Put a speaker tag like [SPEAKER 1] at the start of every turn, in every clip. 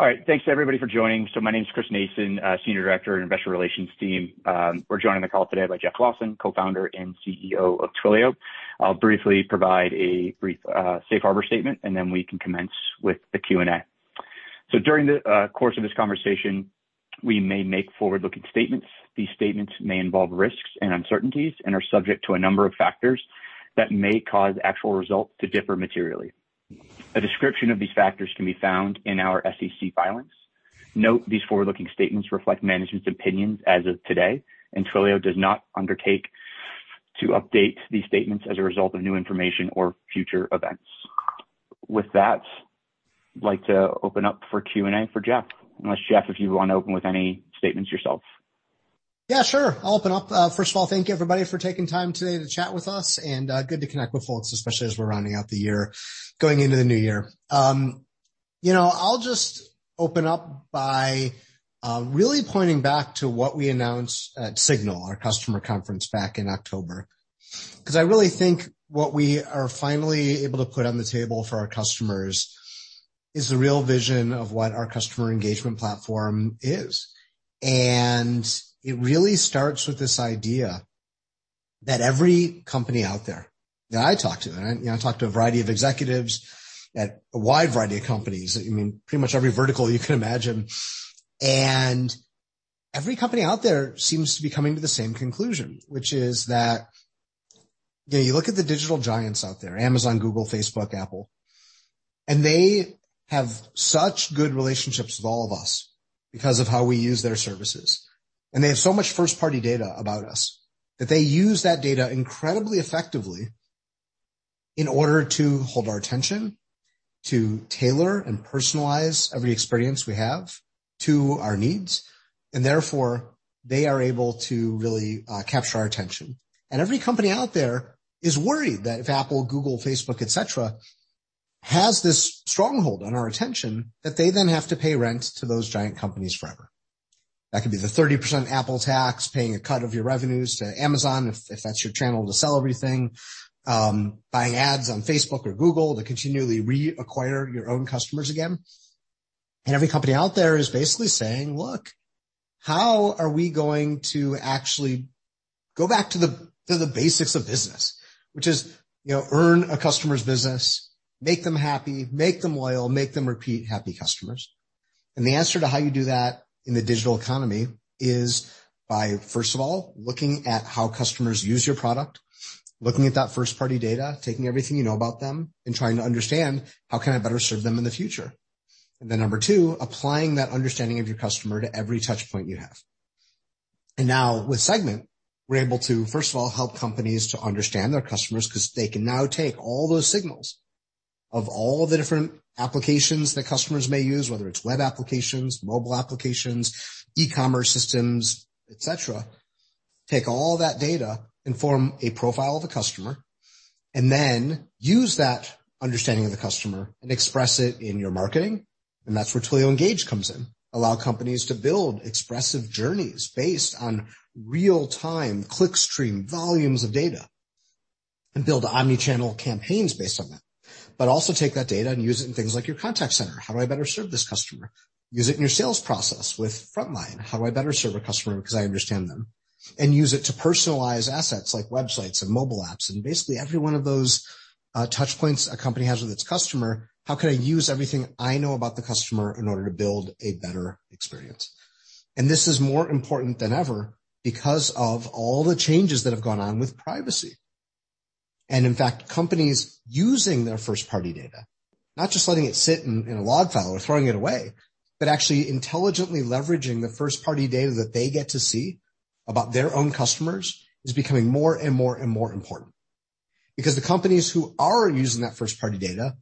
[SPEAKER 1] All right, thanks everybody for joining. My name is Chris Nasson, Senior Director, Investor Relations team. We're joined on the call today by Jeff Lawson, co-founder and CEO of Twilio. I'll briefly provide a brief safe harbor statement, and then we can commence with the Q&A. During the course of this conversation, we may make forward-looking statements. These statements may involve risks and uncertainties and are subject to a number of factors that may cause actual results to differ materially. A description of these factors can be found in our SEC filings. Note these forward-looking statements reflect management's opinions as of today, and Twilio does not undertake to update these statements as a result of new information or future events. With that, I'd like to open up for Q&A for Jeff. Unless, Jeff, if you want to open with any statements yourself.
[SPEAKER 2] Yeah, sure. I'll open up. First of all, thank you everybody for taking time today to chat with us, and good to connect with folks, especially as we're rounding out the year, going into the new year. You know, I'll just open up by really pointing back to what we announced at SIGNAL, our customer conference back in October, because I really think what we are finally able to put on the table for our customers is the real vision of what our customer engagement platform is. It really starts with this idea that every company out there that I talk to, right? You know, I talk to a variety of executives at a wide variety of companies. I mean, pretty much every vertical you can imagine. Every company out there seems to be coming to the same conclusion, which is that, you know, you look at the digital giants out there, Amazon, Google, Facebook, Apple, and they have such good relationships with all of us because of how we use their services. They have so much first-party data about us that they use that data incredibly effectively in order to hold our attention, to tailor and personalize every experience we have to our needs, and therefore, they are able to really capture our attention. Every company out there is worried that if Apple, Google, Facebook, etc., has this stronghold on our attention, that they then have to pay rent to those giant companies forever. That could be the 30% Apple tax, paying a cut of your revenues to Amazon, if that's your channel to sell everything, buying ads on Facebook or Google to continually reacquire your own customers again. Every company out there is basically saying, "Look, how are we going to actually go back to the basics of business?" Which is, you know, earn a customer's business, make them happy, make them loyal, make them repeat happy customers. The answer to how you do that in the digital economy is by, first of all, looking at how customers use your product, looking at that first-party data, taking everything you know about them, and trying to understand how can I better serve them in the future. Then number two, applying that understanding of your customer to every touch point you have. Now with Segment, we're able to, first of all, help companies to understand their customers 'cause they can now take all those signals of all the different applications that customers may use, whether it's web applications, mobile applications, e-commerce systems, etc. Take all that data and form a profile of the customer, and then use that understanding of the customer and express it in your marketing. That's where Twilio Engage comes in. Allow companies to build expressive journeys based on real-time click stream, volumes of data, and build omni-channel campaigns based on that. Also take that data and use it in things like your contact center. How do I better serve this customer? Use it in your sales process with Frontline. How do I better serve a customer because I understand them? Use it to personalize assets like websites and mobile apps, and basically every one of those, touch points a company has with its customer, how can I use everything I know about the customer in order to build a better experience? This is more important than ever because of all the changes that have gone on with privacy. In fact, companies using their first-party data, not just letting it sit in a log file or throwing it away, but actually intelligently leveraging the first-party data that they get to see about their own customers is becoming more and more and more important. Because the companies who are using that first-party data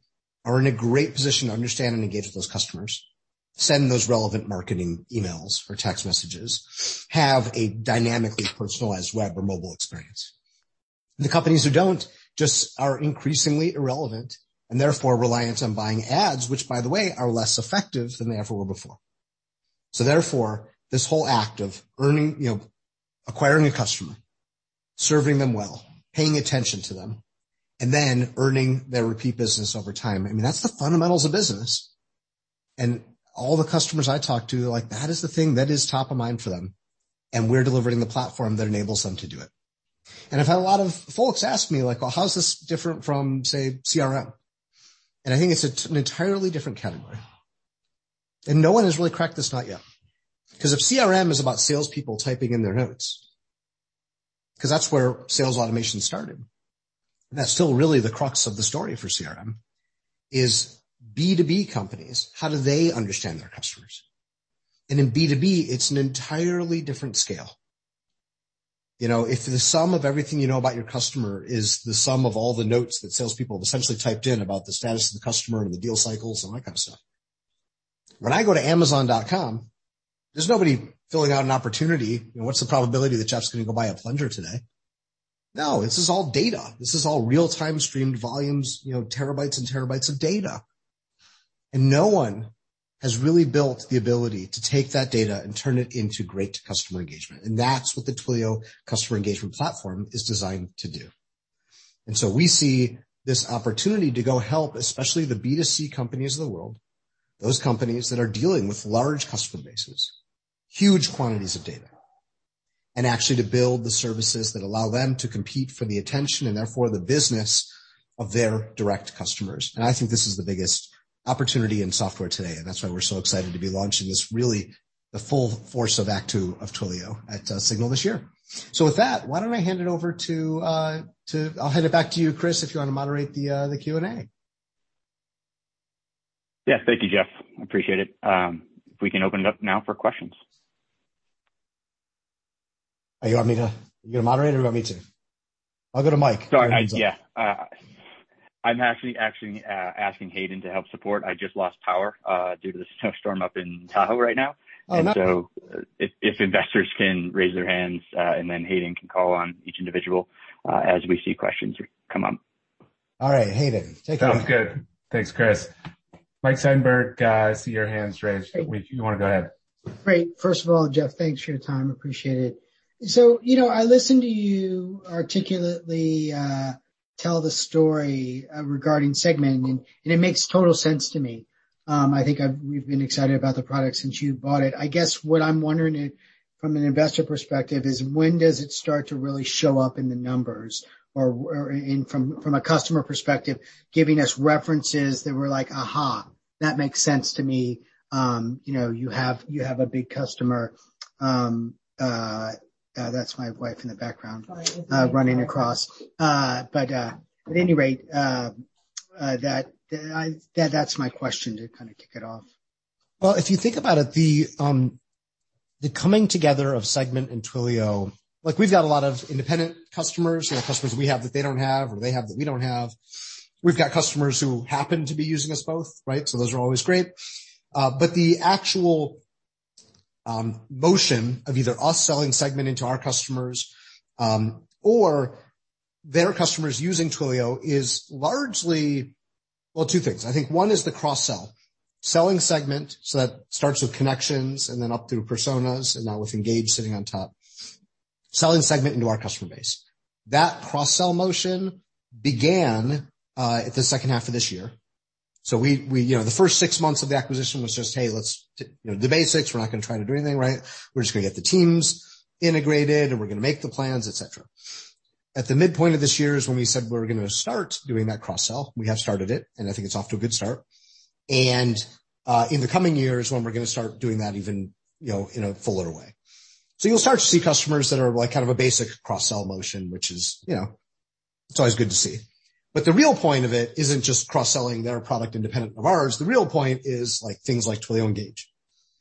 [SPEAKER 2] are in a great position to understand and engage with those customers, send those relevant marketing emails or text messages, have a dynamically personalized web or mobile experience. The companies who don't just are increasingly irrelevant, and therefore reliant on buying ads, which by the way, are less effective than they ever were before. Therefore, this whole act of earning, you know, acquiring a customer, serving them well, paying attention to them, and then earning their repeat business over time, I mean, that's the fundamentals of business. All the customers I talk to, like, that is the thing that is top of mind for them, and we're delivering the platform that enables them to do it. I've had a lot of folks ask me, like, "Well, how's this different from, say, CRM?" I think it's an entirely different category. No one has really cracked this nut yet. Because if CRM is about salespeople typing in their notes, because that's where sales automation started, and that's still really the crux of the story for CRM, is B2B companies, how do they understand their customers? In B2B, it's an entirely different scale. You know, if the sum of everything you know about your customer is the sum of all the notes that salespeople have essentially typed in about the status of the customer, the deal cycles, and that kind of stuff. When I go to amazon.com, there's nobody filling out an opportunity. You know, what's the probability that Jeff's gonna go buy a plunger today? No, this is all data. This is all real-time streamed volumes, you know, terabytes and terabytes of data. No one has really built the ability to take that data and turn it into great customer engagement. That's what the Twilio customer engagement platform is designed to do. We see this opportunity to go help, especially the B to C companies of the world, those companies that are dealing with large customer bases, huge quantities of data, and actually to build the services that allow them to compete for the attention and therefore the business of their direct customers. I think this is the biggest opportunity in software today, and that's why we're so excited to be launching this really the full force of Act Two of Twilio at SIGNAL this year. With that, why don't I hand it back to you, Chris, if you want to moderate the Q&A.
[SPEAKER 1] Yes. Thank you, Jeff. I appreciate it. If we can open it up now for questions.
[SPEAKER 2] You gonna moderate or you want me to? I'll go to Mike.
[SPEAKER 1] Sorry. Yeah. I'm actually asking Hayden to help support. I just lost power due to the snowstorm up in Tahoe right now.
[SPEAKER 2] Oh, no.
[SPEAKER 1] If investors can raise their hands, and then Hayden can call on each individual, as we see questions come up.
[SPEAKER 2] All right, Hayden, take it away.
[SPEAKER 3] Sounds good. Thanks, Chris. Mike Seidenberg, I see your hand's raised.
[SPEAKER 4] Great.
[SPEAKER 3] If you wanna go ahead.
[SPEAKER 4] Great. First of all, Jeff, thanks for your time. Appreciate it. You know, I listened to you articulately tell the story regarding Segment, and it makes total sense to me. I think we've been excited about the product since you bought it. I guess what I'm wondering, from an investor perspective, is when does it start to really show up in the numbers or from a customer perspective, giving us references that we're like, "Aha, that makes sense to me." You know, you have a big customer. That's my wife in the background running across. But at any rate, that's my question to kinda kick it off.
[SPEAKER 2] Well, if you think about it, the coming together of Segment and Twilio, like, we've got a lot of independent customers. You know, customers we have that they don't have or they have that we don't have. We've got customers who happen to be using us both, right? Those are always great. The actual motion of either us selling Segment into our customers, or their customers using Twilio is largely. Well, two things. I think one is the cross-sell. Selling Segment, so that starts with Connections and then up through Personas, and now with Engage sitting on top, selling Segment into our customer base. That cross-sell motion began at the second half of this year. We, you know, the first six months of the acquisition was just, hey, let's, you know, the basics. We're not gonna try to do anything, right? We're just gonna get the teams integrated, and we're gonna make the plans, et cetera. At the midpoint of this year is when we said we were gonna start doing that cross-sell. We have started it, and I think it's off to a good start. In the coming years when we're gonna start doing that even, you know, in a fuller way. You'll start to see customers that are, like, kind of a basic cross-sell motion, which is, you know, it's always good to see. The real point of it isn't just cross-selling their product independent of ours. The real point is, like, things like Twilio Engage.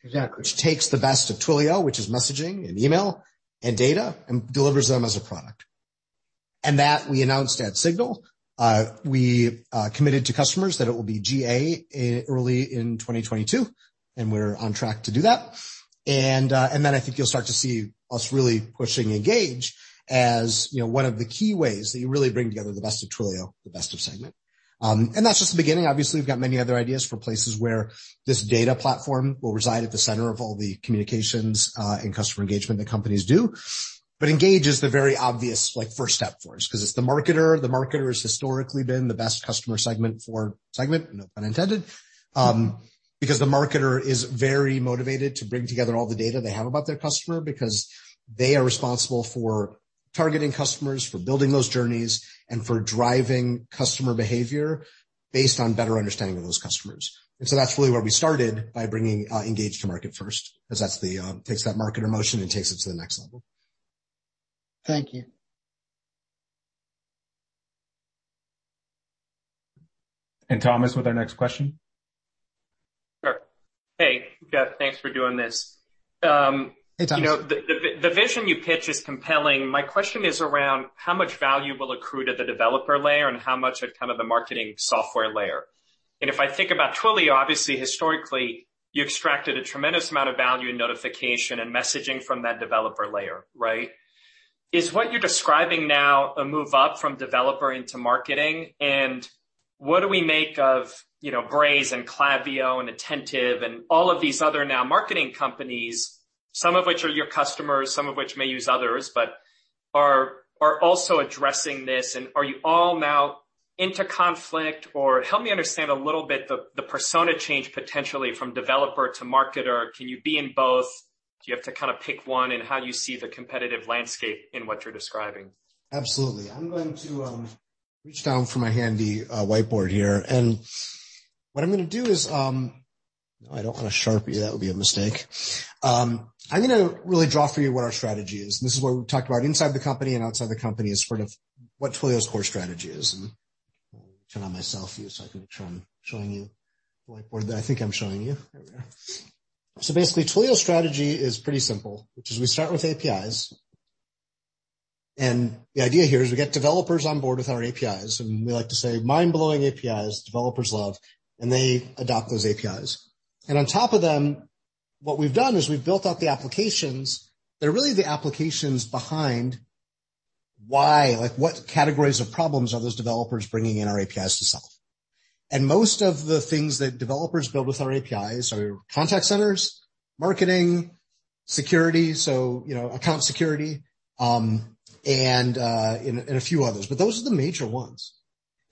[SPEAKER 4] Exactly.
[SPEAKER 2] Which takes the best of Twilio, which is messaging and email and data, and delivers them as a product. That we announced at SIGNAL. We committed to customers that it will be GA early in 2022, and we're on track to do that. Then I think you'll start to see us really pushing Engage as, you know, one of the key ways that you really bring together the best of Twilio, the best of Segment. That's just the beginning. Obviously, we've got many other ideas for places where this data platform will reside at the center of all the communications and customer engagement that companies do. Engage is the very obvious, like, first step for us 'cause it's the marketer. The marketer has historically been the best customer segment for Segment, no pun intended. Because the marketer is very motivated to bring together all the data they have about their customer because they are responsible for targeting customers, for building those journeys, and for driving customer behavior based on better understanding of those customers. That's really where we started by bringing Engage to market first, 'cause that's the takes that marketer motion and takes it to the next level.
[SPEAKER 4] Thank you.
[SPEAKER 3] Thomas with our next question.
[SPEAKER 5] Sure. Hey, Jeff, thanks for doing this.
[SPEAKER 2] Hey, Thomas.
[SPEAKER 5] You know, the vision you pitch is compelling. My question is around how much value will accrue to the developer layer and how much at kind of the marketing software layer. If I think about Twilio, obviously, historically, you extracted a tremendous amount of value in notification and messaging from that developer layer, right? Is what you're describing now a move up from developer into marketing? What do we make of, you know, Braze and Klaviyo and Attentive and all of these other now marketing companies, some of which are your customers, some of which may use others, but are also addressing this. Are you all now into conflict or help me understand a little bit the persona change potentially from developer to marketer. Can you be in both? Do you have to kinda pick one in how you see the competitive landscape in what you're describing?
[SPEAKER 2] Absolutely. I'm going to reach down for my handy whiteboard here. What I'm gonna do is I don't want a Sharpie. That would be a mistake. I'm gonna really draw for you what our strategy is. This is what we've talked about inside the company and outside the company as sort of what Twilio's core strategy is. Let me turn on my selfie so I can make sure I'm showing you the whiteboard that I think I'm showing you. There we go. Basically, Twilio's strategy is pretty simple, which is we start with APIs. The idea here is we get developers on board with our APIs, and we like to say mind-blowing APIs developers love, and they adopt those APIs. On top of them, what we've done is we've built out the applications that are really the applications behind why, like what categories of problems are those developers bringing in our APIs to solve? Most of the things that developers build with our APIs are contact centers, marketing, security, so, you know, account security, and a few others, but those are the major ones.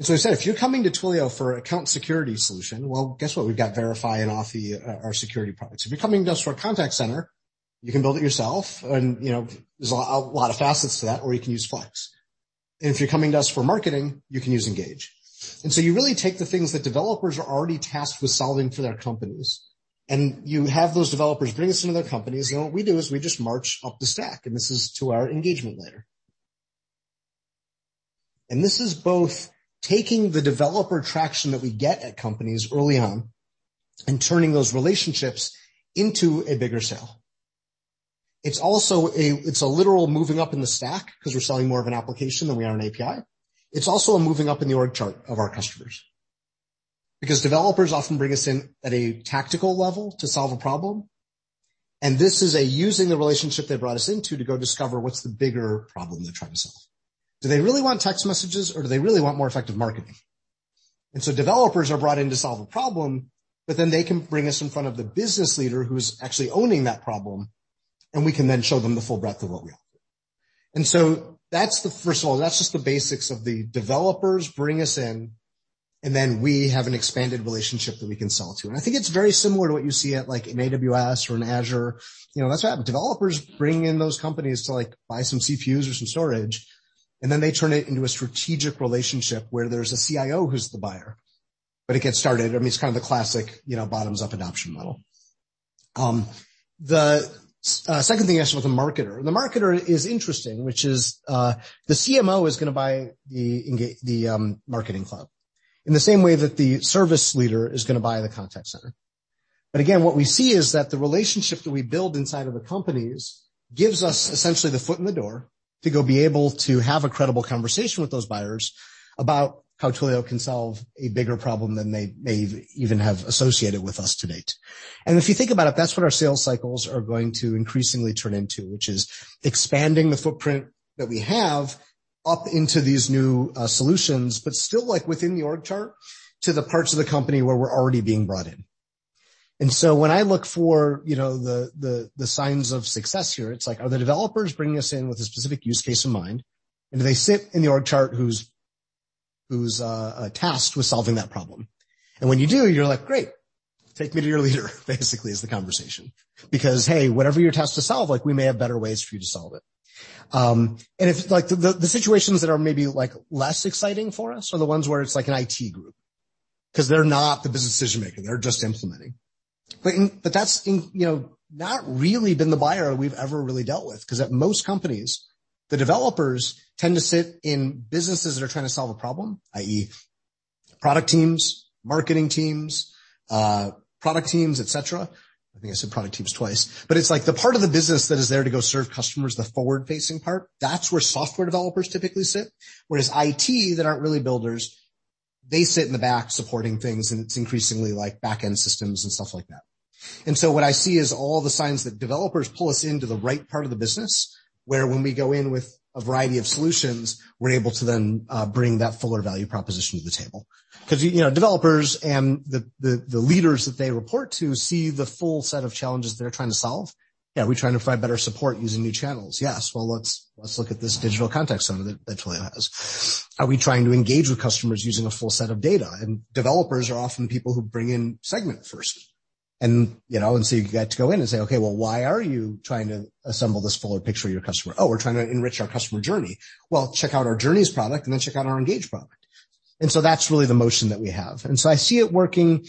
[SPEAKER 2] I said, if you're coming to Twilio for account security solution, well, guess what? We've got Verify and Authy, our security products. If you're coming to us for a contact center, you can build it yourself and, you know, there's a lot of facets to that, or you can use Flex. If you're coming to us for marketing, you can use Engage. You really take the things that developers are already tasked with solving for their companies, and you have those developers bring us into their companies, and what we do is we just march up the stack, and this is to our engagement layer. This is both taking the developer traction that we get at companies early on and turning those relationships into a bigger sale. It's also a literal moving up in the stack 'cause we're selling more of an application than we are an API. It's also a moving up in the org chart of our customers. Because developers often bring us in at a tactical level to solve a problem, and this is using the relationship they brought us into to go discover what's the bigger problem they're trying to solve. Do they really want text messages, or do they really want more effective marketing? Developers are brought in to solve a problem, but then they can bring us in front of the business leader who's actually owning that problem, and we can then show them the full breadth of what we offer. That's the first of all, that's just the basics of the developers bring us in, and then we have an expanded relationship that we can sell to. I think it's very similar to what you see at like an AWS or an Azure. You know, that's what happened. Developers bring in those companies to, like, buy some CPUs or some storage, and then they turn it into a strategic relationship where there's a CIO who's the buyer. It gets started. I mean, it's kind of the classic, you know, bottoms-up adoption model. The second thing actually was the marketer. The marketer is interesting, which is, the CMO is gonna buy the Engage, the marketing cloud in the same way that the service leader is gonna buy the contact center. Again, what we see is that the relationship that we build inside of the companies gives us essentially the foot in the door to go be able to have a credible conversation with those buyers about how Twilio can solve a bigger problem than they even have associated with us to date. If you think about it, that's what our sales cycles are going to increasingly turn into, which is expanding the footprint that we have up into these new solutions, but still, like, within the org chart to the parts of the company where we're already being brought in. When I look for, you know, the signs of success here, it's like, are the developers bringing us in with a specific use case in mind? Do they sit in the org chart who's tasked with solving that problem? When you do, you're like, "Great. Take me to your leader," basically is the conversation because, hey, whatever you're tasked to solve, like we may have better ways for you to solve it. Like the situations that are maybe like less exciting for us are the ones where it's like an IT group 'cause they're not the business decision-maker, they're just implementing. That's in, you know, not really been the buyer we've ever really dealt with 'cause at most companies, the developers tend to sit in businesses that are trying to solve a problem, i.e., product teams, marketing teams, product teams, et cetera. I think I said product teams twice. It's like the part of the business that is there to go serve customers, the forward-facing part, that's where software developers typically sit. Whereas IT, that aren't really builders, they sit in the back supporting things, and it's increasingly like back-end systems and stuff like that. What I see is all the signs that developers pull us into the right part of the business, where when we go in with a variety of solutions, we're able to then bring that fuller value proposition to the table. 'Cause you know, developers and the leaders that they report to see the full set of challenges they're trying to solve. Yeah, we're trying to provide better support using new channels. Yes. Well, let's look at this digital contact center that Twilio has. Are we trying to engage with customers using a full set of data? Developers are often people who bring in Segment first. You know, and so you get to go in and say, "Okay, well, why are you trying to assemble this fuller picture of your customer?" "Oh, we're trying to enrich our customer journey." "Well, check out our Journeys product, and then check out our Engage product." That's really the motion that we have. I see it working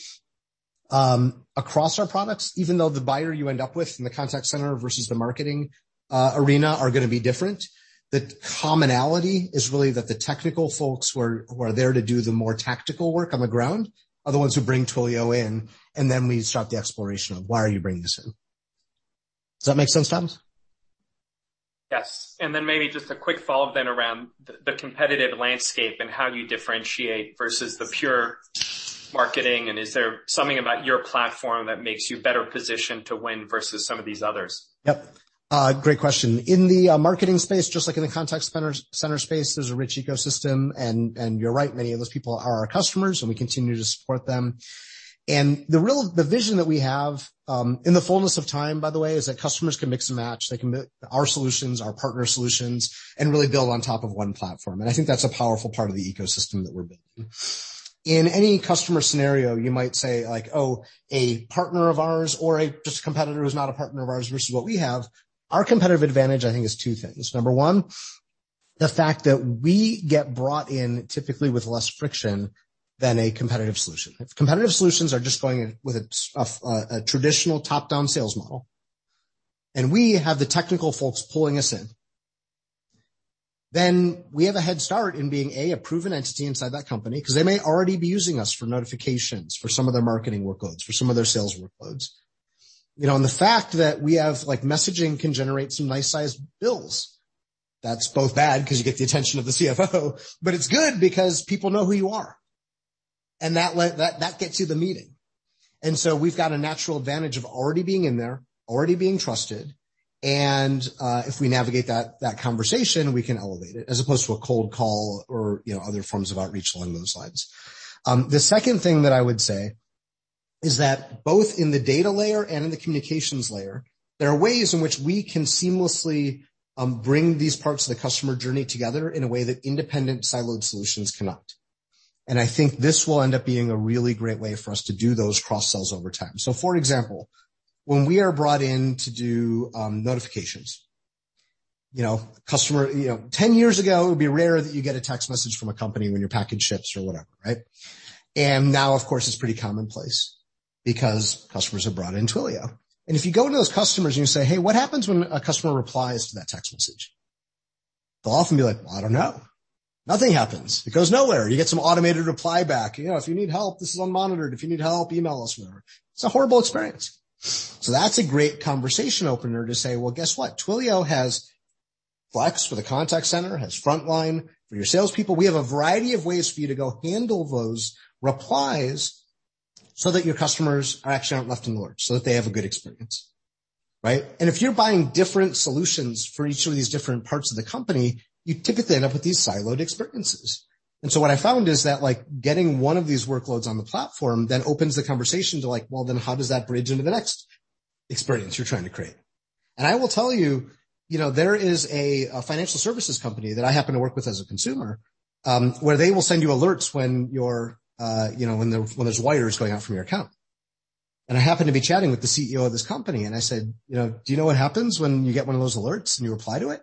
[SPEAKER 2] across our products, even though the buyer you end up with in the contact center versus the marketing arena are gonna be different. The commonality is really that the technical folks who are there to do the more tactical work on the ground are the ones who bring Twilio in, and then we start the exploration of why are you bringing this in. Does that make sense, Thomas?
[SPEAKER 5] Yes. Maybe just a quick follow-up then around the competitive landscape and how you differentiate versus the pure marketing, and is there something about your platform that makes you better positioned to win versus some of these others?
[SPEAKER 2] Yep. Great question. In the marketing space, just like in the contact center space, there's a rich ecosystem and you're right, many of those people are our customers, and we continue to support them. The vision that we have, in the fullness of time, by the way, is that customers can mix and match. They can buy our solutions, our partner solutions, and really build on top of one platform. I think that's a powerful part of the ecosystem that we're building. In any customer scenario, you might say like, oh, a partner of ours or just a competitor who's not a partner of ours versus what we have, our competitive advantage, I think, is two things. Number one, the fact that we get brought in typically with less friction than a competitive solution. If competitive solutions are just going in with a traditional top-down sales model, and we have the technical folks pulling us in, then we have a head start in being a proven entity inside that company 'cause they may already be using us for notifications for some of their marketing workloads, for some of their sales workloads. You know, the fact that we have, like, messaging can generate some nice-sized bills. That's both bad 'cause you get the attention of the CFO, but it's good because people know who you are. That gets you the meeting. We've got a natural advantage of already being in there, already being trusted, and if we navigate that conversation, we can elevate it as opposed to a cold call or, you know, other forms of outreach along those lines. The second thing that I would say is that both in the data layer and in the communications layer, there are ways in which we can seamlessly bring these parts of the customer journey together in a way that independent siloed solutions cannot. I think this will end up being a really great way for us to do those cross sells over time. For example, when we are brought in to do notifications, you know. You know, 10 years ago, it would be rare that you get a text message from a company when your package ships or whatever, right? Now, of course, it's pretty commonplace because customers have brought in Twilio. If you go to those customers, and you say, "Hey, what happens when a customer replies to that text message?" They'll often be like, "Well, I don't know. Nothing happens. It goes nowhere. You get some automated reply back. You know, if you need help, this is unmonitored. If you need help, email us," whatever. It's a horrible experience. That's a great conversation opener to say, "Well, guess what? Twilio has Flex for the contact center, has Frontline for your salespeople. We have a variety of ways for you to go handle those replies so that your customers actually aren't left in the lurch, so that they have a good experience, right?" If you're buying different solutions for each of these different parts of the company, you typically end up with these siloed experiences. What I found is that, like, getting one of these workloads on the platform then opens the conversation to like, well, then how does that bridge into the next experience you're trying to create? I will tell you know, there is a financial services company that I happen to work with as a consumer, where they will send you alerts when you're, you know, when there's wires going out from your account. I happened to be chatting with the CEO of this company, and I said, "You know, do you know what happens when you get one of those alerts and you reply to it?"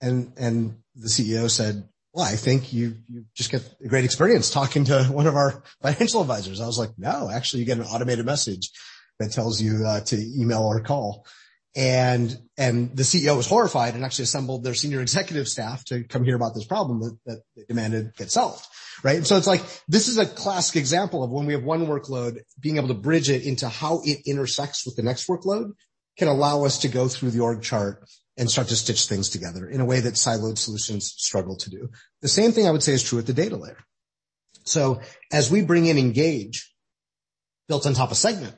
[SPEAKER 2] And the CEO said, "Well, I think you just get a great experience talking to one of our financial advisors." I was like, "No, actually, you get an automated message that tells you to email or call." The CEO was horrified and actually assembled their senior executive staff to come hear about this problem that demanded it get solved, right? It's like, this is a classic example of when we have one workload, being able to bridge it into how it intersects with the next workload can allow us to go through the org chart and start to stitch things together in a way that siloed solutions struggle to do. The same thing I would say is true at the data layer. As we bring in Engage, built on top of Segment,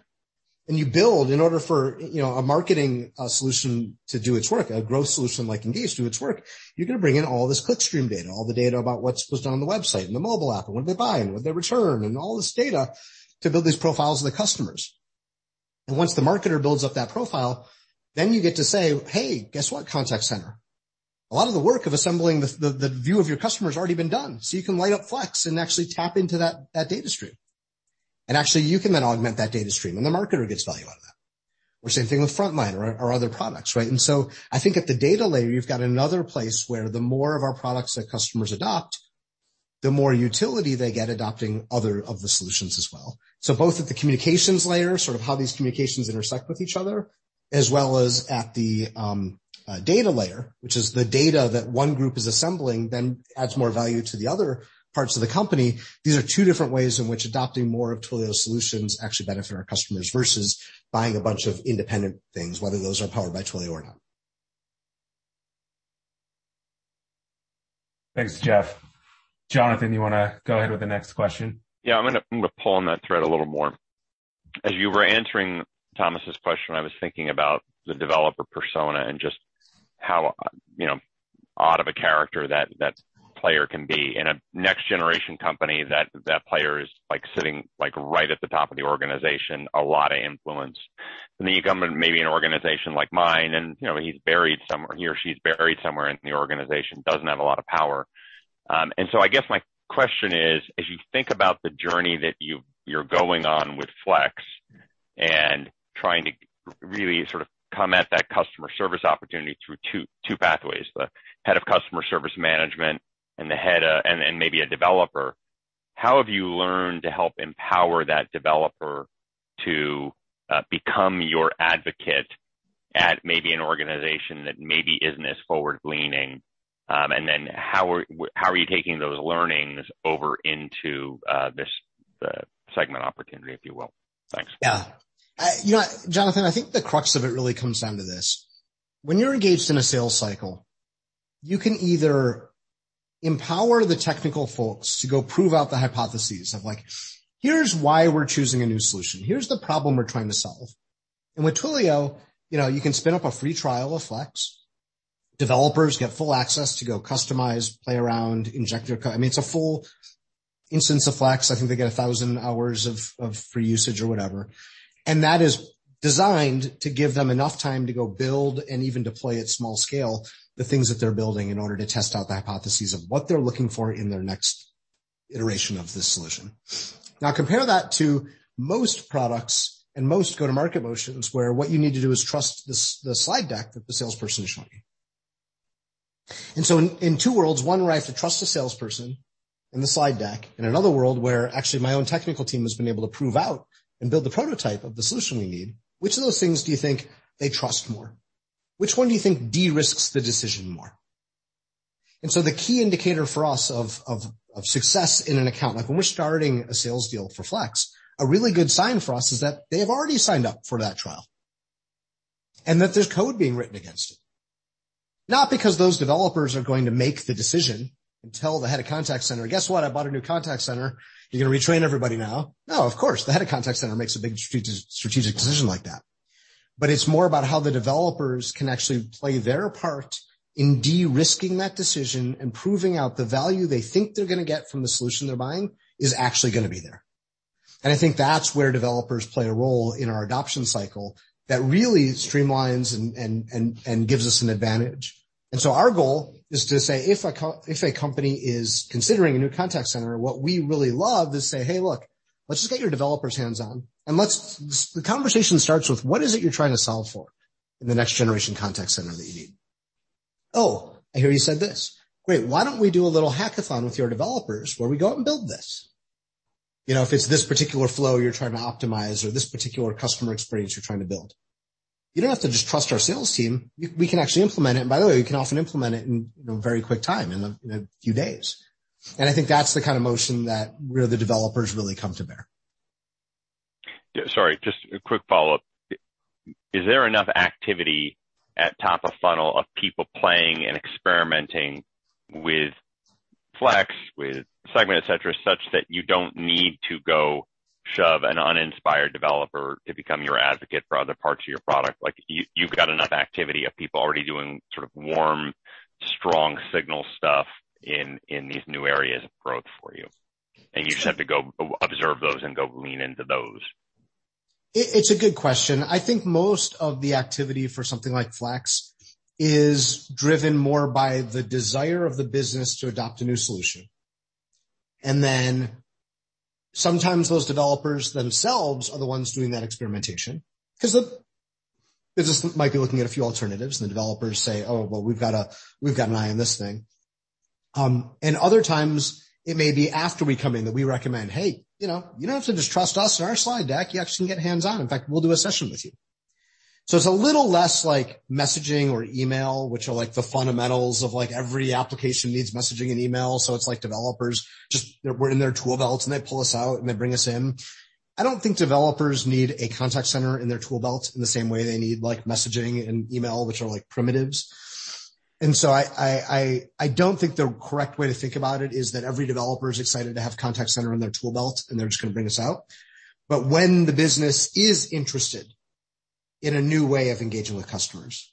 [SPEAKER 2] and you build in order for, you know, a marketing solution to do its work, a growth solution like Engage do its work, you're gonna bring in all this clickstream data, all the data about what's done on the website and the mobile app, and what did they buy, and would they return, and all this data to build these profiles of the customers. Once the marketer builds up that profile, then you get to say, "Hey, guess what, contact center? A lot of the work of assembling the view of your customer has already been done, so you can light up Flex and actually tap into that data stream. Actually, you can then augment that data stream, and the marketer gets value out of that." Same thing with Frontline or other products, right? I think at the data layer, you've got another place where the more of our products that customers adopt, the more utility they get adopting other of the solutions as well. Both at the communications layer, sort of how these communications intersect with each other, as well as at the data layer, which is the data that one group is assembling, then adds more value to the other parts of the company. These are two different ways in which adopting more of Twilio's solutions actually benefit our customers versus buying a bunch of independent things, whether those are powered by Twilio or not.
[SPEAKER 3] Thanks, Jeff. Jonathan, you wanna go ahead with the next question?
[SPEAKER 6] Yeah. I'm gonna pull on that thread a little more. As you were answering Thomas's question, I was thinking about the developer persona and just how, you know, odd of a character that player can be. In a next generation company that player is like sitting like right at the top of the organization, a lot of influence. Then you come to maybe an organization like mine and, you know, he's buried somewhere. He or she's buried somewhere in the organization, doesn't have a lot of power. I guess my question is: As you think about the journey that you're going on with Flex and trying to really sort of come at that customer service opportunity through two pathways, the head of customer service management and the head and maybe a developer, how have you learned to help empower that developer to become your advocate at maybe an organization that maybe isn't as forward-leaning? How are you taking those learnings over into the Segment opportunity, if you will? Thanks.
[SPEAKER 2] Yeah. You know what, Jonathan? I think the crux of it really comes down to this. When you're engaged in a sales cycle, you can either empower the technical folks to go prove out the hypothesis of like, here's why we're choosing a new solution. Here's the problem we're trying to solve. With Twilio, you know, you can spin up a free trial of Flex. Developers get full access to go customize, play around. I mean, it's a full instance of Flex. I think they get 1,000 hours of free usage or whatever. That is designed to give them enough time to go build and even deploy at small scale the things that they're building in order to test out the hypothesis of what they're looking for in their next iteration of this solution. Now, compare that to most products and most go-to-market motions, where what you need to do is trust the the slide deck that the salesperson is showing you. In two worlds, one where I have to trust the salesperson and the slide deck, and another world where actually my own technical team has been able to prove out and build the prototype of the solution we need, which of those things do you think they trust more? Which one do you think de-risks the decision more? The key indicator for us of success in an account, like when we're starting a sales deal for Flex, a really good sign for us is that they have already signed up for that trial. That there's code being written against it. Not because those developers are going to make the decision and tell the head of contact center, "Guess what? I bought a new contact center. You're gonna retrain everybody now." No, of course, the head of contact center makes a big strategic decision like that. But it's more about how the developers can actually play their part in de-risking that decision and proving out the value they think they're gonna get from the solution they're buying is actually gonna be there. I think that's where developers play a role in our adoption cycle that really streamlines and gives us an advantage. Our goal is to say, if a company is considering a new contact center, what we really love is to say, "Hey, look, let's just get your developers hands-on." The conversation starts with what is it you're trying to solve for in the next generation contact center that you need? Oh, I hear you said this. Great. Why don't we do a little hackathon with your developers where we go out and build this? You know, if it's this particular flow you're trying to optimize or this particular customer experience you're trying to build. You don't have to just trust our sales team. We can actually implement it. By the way, we can often implement it in, you know, very quick time, in a few days. I think that's the kind of motion that where the developers really come to bear.
[SPEAKER 6] Yeah. Sorry, just a quick follow-up. Is there enough activity at top of funnel of people playing and experimenting with Flex, with Segment, et cetera, such that you don't need to go shove an uninspired developer to become your advocate for other parts of your product? Like, you've got enough activity of people already doing sort of warm, strong signal stuff in these new areas of growth for you, and you just have to go observe those and go lean into those.
[SPEAKER 2] It's a good question. I think most of the activity for something like Flex is driven more by the desire of the business to adopt a new solution. Sometimes those developers themselves are the ones doing that experimentation 'cause the business might be looking at a few alternatives, and the developers say, "Oh, well, we've got an eye on this thing." Other times it may be after we come in that we recommend, "Hey, you know, you don't have to just trust us in our slide deck. You actually can get hands-on. In fact, we'll do a session with you." It's a little less like messaging or email, which are like the fundamentals of like every application needs messaging and email. It's like developers just we're in their tool belt, and they pull us out, and they bring us in. I don't think developers need a contact center in their tool belt in the same way they need like messaging and email, which are like primitives. I don't think the correct way to think about it is that every developer is excited to have contact center in their tool belt, and they're just gonna bring us out. When the business is interested in a new way of engaging with customers,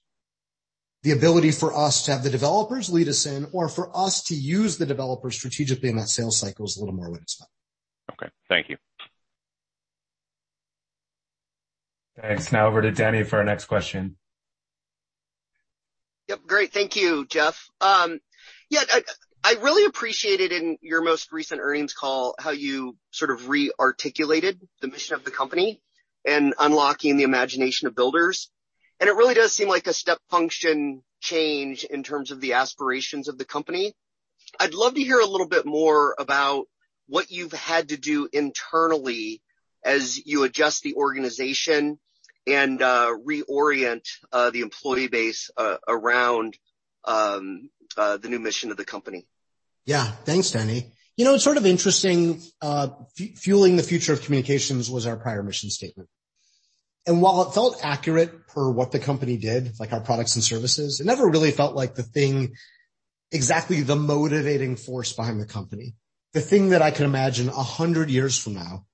[SPEAKER 2] the ability for us to have the developers lead us in or for us to use the developer strategically in that sales cycle is a little more what it's about.
[SPEAKER 6] Okay, thank you.
[SPEAKER 3] Thanks. Now over to Danny for our next question.
[SPEAKER 7] Yep, great. Thank you, Jeff. Yeah, I really appreciated in your most recent earnings call how you sort of re-articulated the mission of the company and unlocking the imagination of builders, and it really does seem like a step function change in terms of the aspirations of the company. I'd love to hear a little bit more about what you've had to do internally as you adjust the organization and reorient the employee base around the new mission of the company.
[SPEAKER 2] Yeah. Thanks, Danny. You know, it's sort of interesting, fueling the future of communications was our prior mission statement. While it felt accurate per what the company did, like our products and services, it never really felt like the thing, exactly the motivating force behind the company. The thing that I can imagine a hundred years from now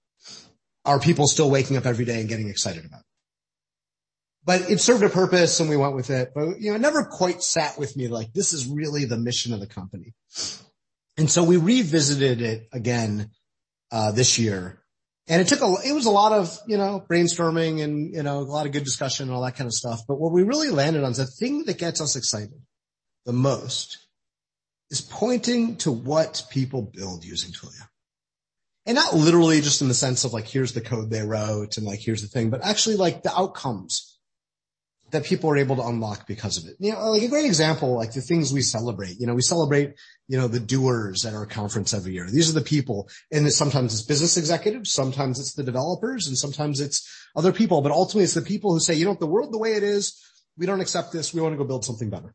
[SPEAKER 2] are people still waking up every day and getting excited about. It served a purpose, and we went with it. You know, it never quite sat with me like, this is really the mission of the company. We revisited it again this year, and it was a lot of, you know, brainstorming and, you know, a lot of good discussion and all that kind of stuff. what we really landed on is the thing that gets us excited the most is pointing to what people build using Twilio. Not literally just in the sense of, like, here's the code they wrote, and, like, here's the thing, but actually, like, the outcomes that people are able to unlock because of it. You know, like a great example, like, the things we celebrate, you know, we celebrate, you know, the doers at our conference every year. These are the people, and sometimes it's business executives, sometimes it's the developers, and sometimes it's other people, but ultimately, it's the people who say, "You know, the world the way it is, we don't accept this. We wanna go build something better."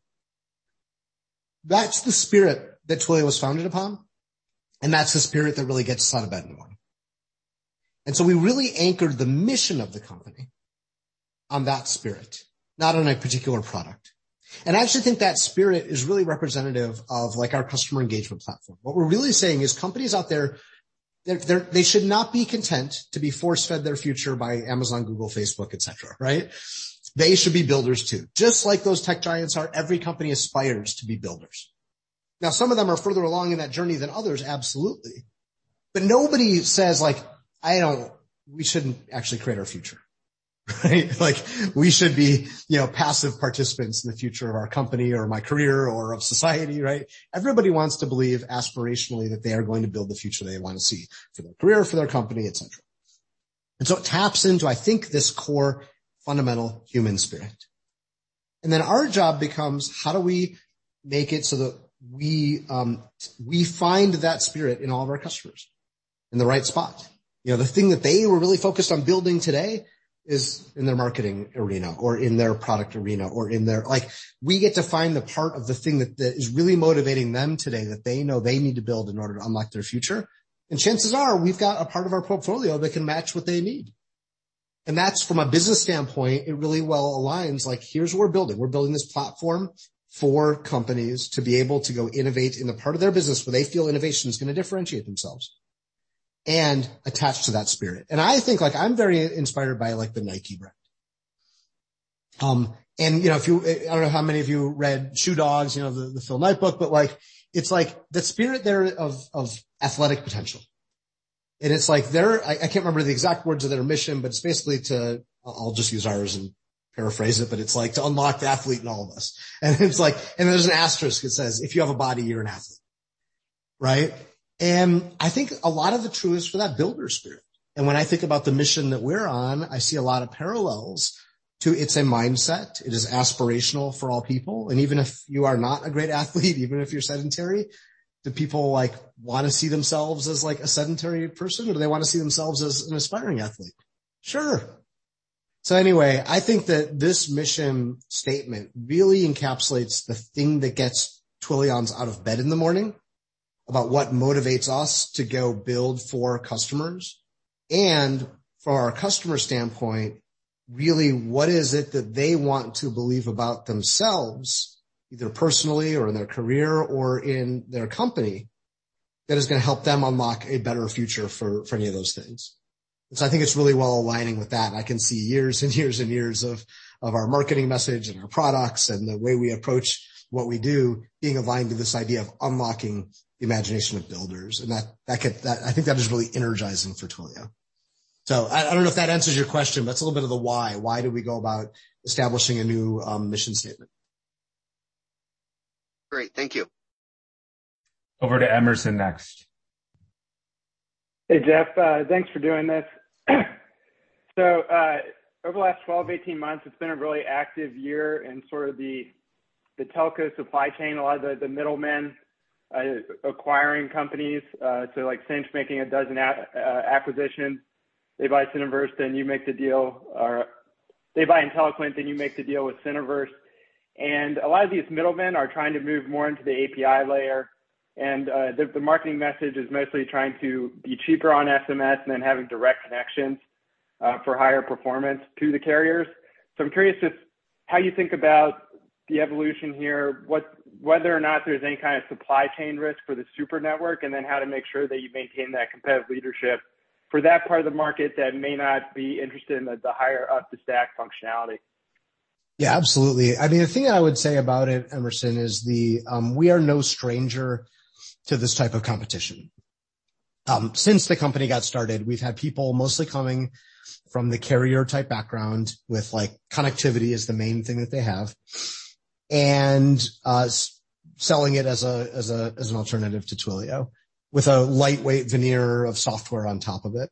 [SPEAKER 2] That's the spirit that Twilio was founded upon, and that's the spirit that really gets us out of bed in the morning. We really anchored the mission of the company on that spirit, not on a particular product. I actually think that spirit is really representative of, like, our customer engagement platform. What we're really saying is companies out there, they're—they should not be content to be force-fed their future by Amazon, Google, Facebook, et cetera, right? They should be builders too. Just like those tech giants are, every company aspires to be builders. Now, some of them are further along in that journey than others, absolutely. But nobody says, like, "We shouldn't actually create our future." Right? Like, "We should be, you know, passive participants in the future of our company or my career or of society, right?" Everybody wants to believe aspirationally that they are going to build the future they wanna see for their career, for their company, et cetera. It taps into, I think, this core fundamental human spirit. Our job becomes how do we make it so that we find that spirit in all of our customers in the right spot. You know, the thing that they were really focused on building today is in their marketing arena or in their product arena or in their. Like, we get to find the part of the thing that is really motivating them today that they know they need to build in order to unlock their future. Chances are we've got a part of our portfolio that can match what they need. That's from a business standpoint, it really well aligns. Like, here's what we're building. We're building this platform for companies to be able to go innovate in the part of their business where they feel innovation is gonna differentiate themselves, and attach to that spirit. I think, like, I'm very inspired by, like, the Nike brand. You know, I don't know how many of you read Shoe Dog, you know, the Phil Knight book, but, like, it's like the spirit there of athletic potential. It's like their... I can't remember the exact words of their mission, but it's basically to... I'll just use ours and paraphrase it, but it's like to unlock the athlete in all of us. It's like and there's an asterisk that says, "If you have a body, you're an athlete." Right? I think a lot of the truth is for that builder spirit. When I think about the mission that we're on, I see a lot of parallels to. It's a mindset. It is aspirational for all people. Even if you are not a great athlete, even if you're sedentary, do people, like, wanna see themselves as, like, a sedentary person, or do they wanna see themselves as an aspiring athlete? Sure. Anyway, I think that this mission statement really encapsulates the thing that gets Twilions out of bed in the morning, about what motivates us to go build for customers. From our customer standpoint, really, what is it that they want to believe about themselves, either personally or in their career or in their company, that is gonna help them unlock a better future for any of those things. I think it's really well aligning with that, and I can see years and years and years of our marketing message and our products and the way we approach what we do being aligned to this idea of unlocking the imagination of builders. That I think that is really energizing for Twilio. I don't know if that answers your question, but that's a little bit of the why. Why do we go about establishing a new mission statement?
[SPEAKER 7] Great. Thank you.
[SPEAKER 3] Over to Emerson next.
[SPEAKER 8] Hey, Jeff. Thanks for doing this. Over the last 12-18 months, it's been a really active year in sort of the telco supply chain. A lot of the middlemen acquiring companies, so like Sinch making 12 acquisitions. They buy Syniverse, then you make the deal. Or they buy Inteliquent, then you make the deal with Syniverse. A lot of these middlemen are trying to move more into the API layer. The marketing message is mostly trying to be cheaper on SMS and then having direct connections for higher performance to the carriers. I'm curious just how you think about the evolution here, whether or not there's any kind of supply chain risk for the Super Network, and then how to make sure that you maintain that competitive leadership for that part of the market that may not be interested in the higher up the stack functionality.
[SPEAKER 2] Yeah, absolutely. I mean, the thing I would say about it, Emerson, is we are no stranger to this type of competition. Since the company got started, we've had people mostly coming from the carrier-type background with, like, connectivity as the main thing that they have, and selling it as an alternative to Twilio with a lightweight veneer of software on top of it.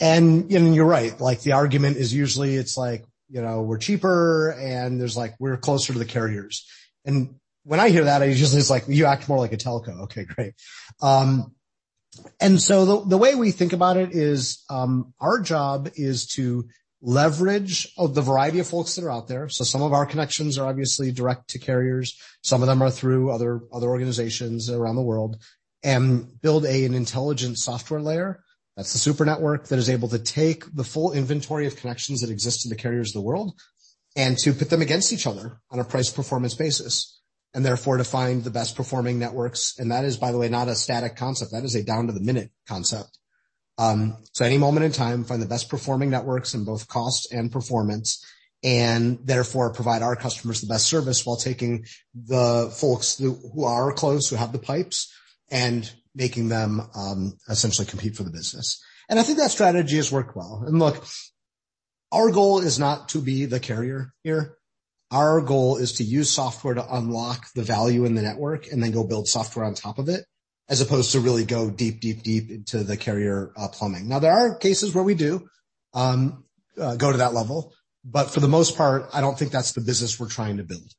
[SPEAKER 2] You know, you're right. Like, the argument is usually it's like, you know, we're cheaper, and they're like, we're closer to the carriers. When I hear that, I usually, it's like, "You act more like a telco. Okay, great." The way we think about it is our job is to leverage all the variety of folks that are out there. Some of our connections are obviously direct to carriers. Some of them are through other organizations around the world, and build an intelligent software layer, that's the Super Network, that is able to take the full inventory of connections that exist in the carriers of the world and to pit them against each other on a price-performance basis, and therefore to find the best performing networks. That is, by the way, not a static concept. That is a down-to-the-minute concept. So any moment in time, find the best performing networks in both cost and performance, and therefore provide our customers the best service while taking the folks who are close, who have the pipes, and making them, essentially compete for the business. I think that strategy has worked well. Look, our goal is not to be the carrier here. Our goal is to use software to unlock the value in the network and then go build software on top of it, as opposed to really go deep, deep, deep into the carrier plumbing. Now, there are cases where we do go to that level, but for the most part, I don't think that's the business we're trying to build.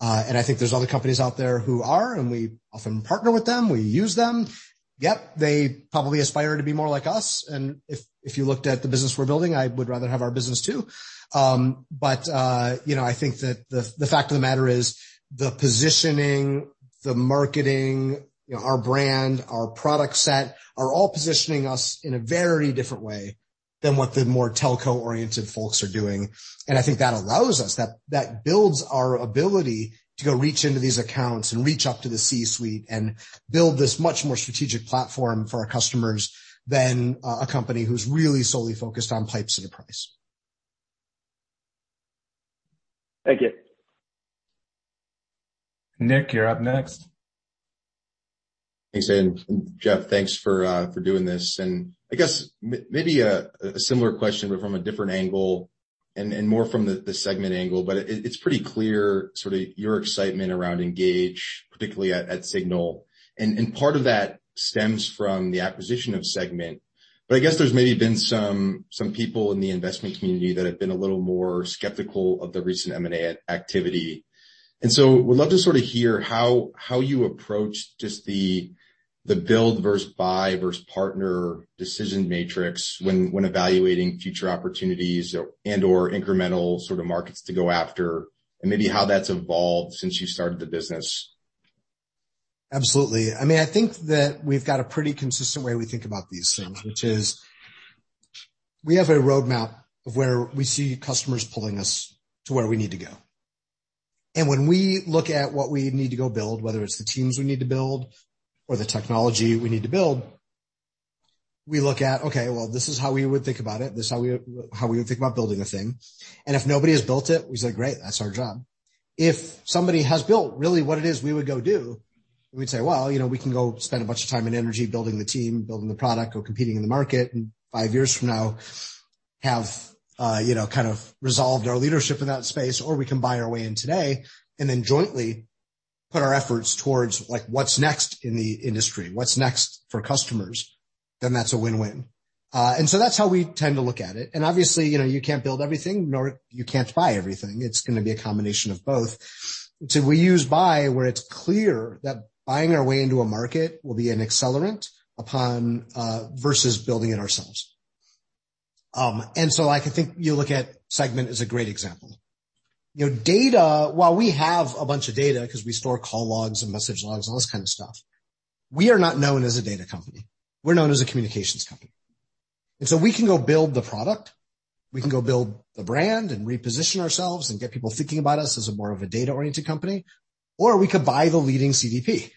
[SPEAKER 2] I think there's other companies out there who are, and we often partner with them. We use them. Yep, they probably aspire to be more like us. If you looked at the business we're building, I would rather have our business too. I think that the fact of the matter is the positioning, the marketing, you know, our brand, our product set, are all positioning us in a very different way than what the more telco-oriented folks are doing. I think that allows us, builds our ability to go reach into these accounts and reach up to the C-suite and build this much more strategic platform for our customers than a company who's really solely focused on pipes and price.
[SPEAKER 8] Thank you.
[SPEAKER 3] Nick, you're up next.
[SPEAKER 9] Thanks, Jeff, thanks for doing this. I guess maybe a similar question, but from a different angle and more from the Segment angle. It's pretty clear sort of your excitement around Engage, particularly at Signal. Part of that stems from the acquisition of Segment. I guess there's maybe been some people in the investment community that have been a little more skeptical of the recent M&A activity. Would love to sort of hear how you approach just the build versus buy versus partner decision matrix when evaluating future opportunities and incremental sort of markets to go after, and maybe how that's evolved since you started the business.
[SPEAKER 2] Absolutely. I mean, I think that we've got a pretty consistent way we think about these things, which is we have a roadmap of where we see customers pulling us to where we need to go. When we look at what we need to go build, whether it's the teams we need to build or the technology we need to build, we look at, okay, well, this is how we would think about it. This is how we would think about building a thing. If nobody has built it, we say, great, that's our job. If somebody has built really what it is we would go do, we'd say, well, you know, we can go spend a bunch of time and energy building the team, building the product, go competing in the market, and five years from now have, you know, kind of resolved our leadership in that space, or we can buy our way in today and then jointly put our efforts towards, like, what's next in the industry, what's next for customers, then that's a win-win. That's how we tend to look at it. Obviously, you know, you can't build everything, nor you can't buy everything. It's gonna be a combination of both. We use buy where it's clear that buying our way into a market will be an accelerant upon versus building it ourselves. I can think, you look at Segment is a great example. You know, data, while we have a bunch of data because we store call logs and message logs, all this kind of stuff, we are not known as a data company. We're known as a communications company. We can go build the product, we can go build the brand and reposition ourselves and get people thinking about us as more of a data-oriented company. Or we could buy the leading CDP.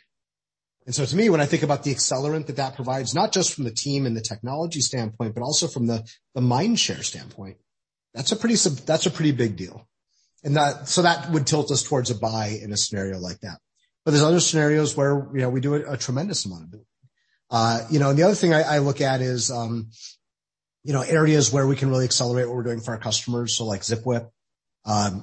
[SPEAKER 2] To me, when I think about the accelerant that provides, not just from the team and the technology standpoint, but also from the mind share standpoint, that's a pretty big deal. That would tilt us towards a buy in a scenario like that. There's other scenarios where, you know, we do a tremendous amount of building. The other thing I look at is, you know, areas where we can really accelerate what we're doing for our customers. Like Zipwhip,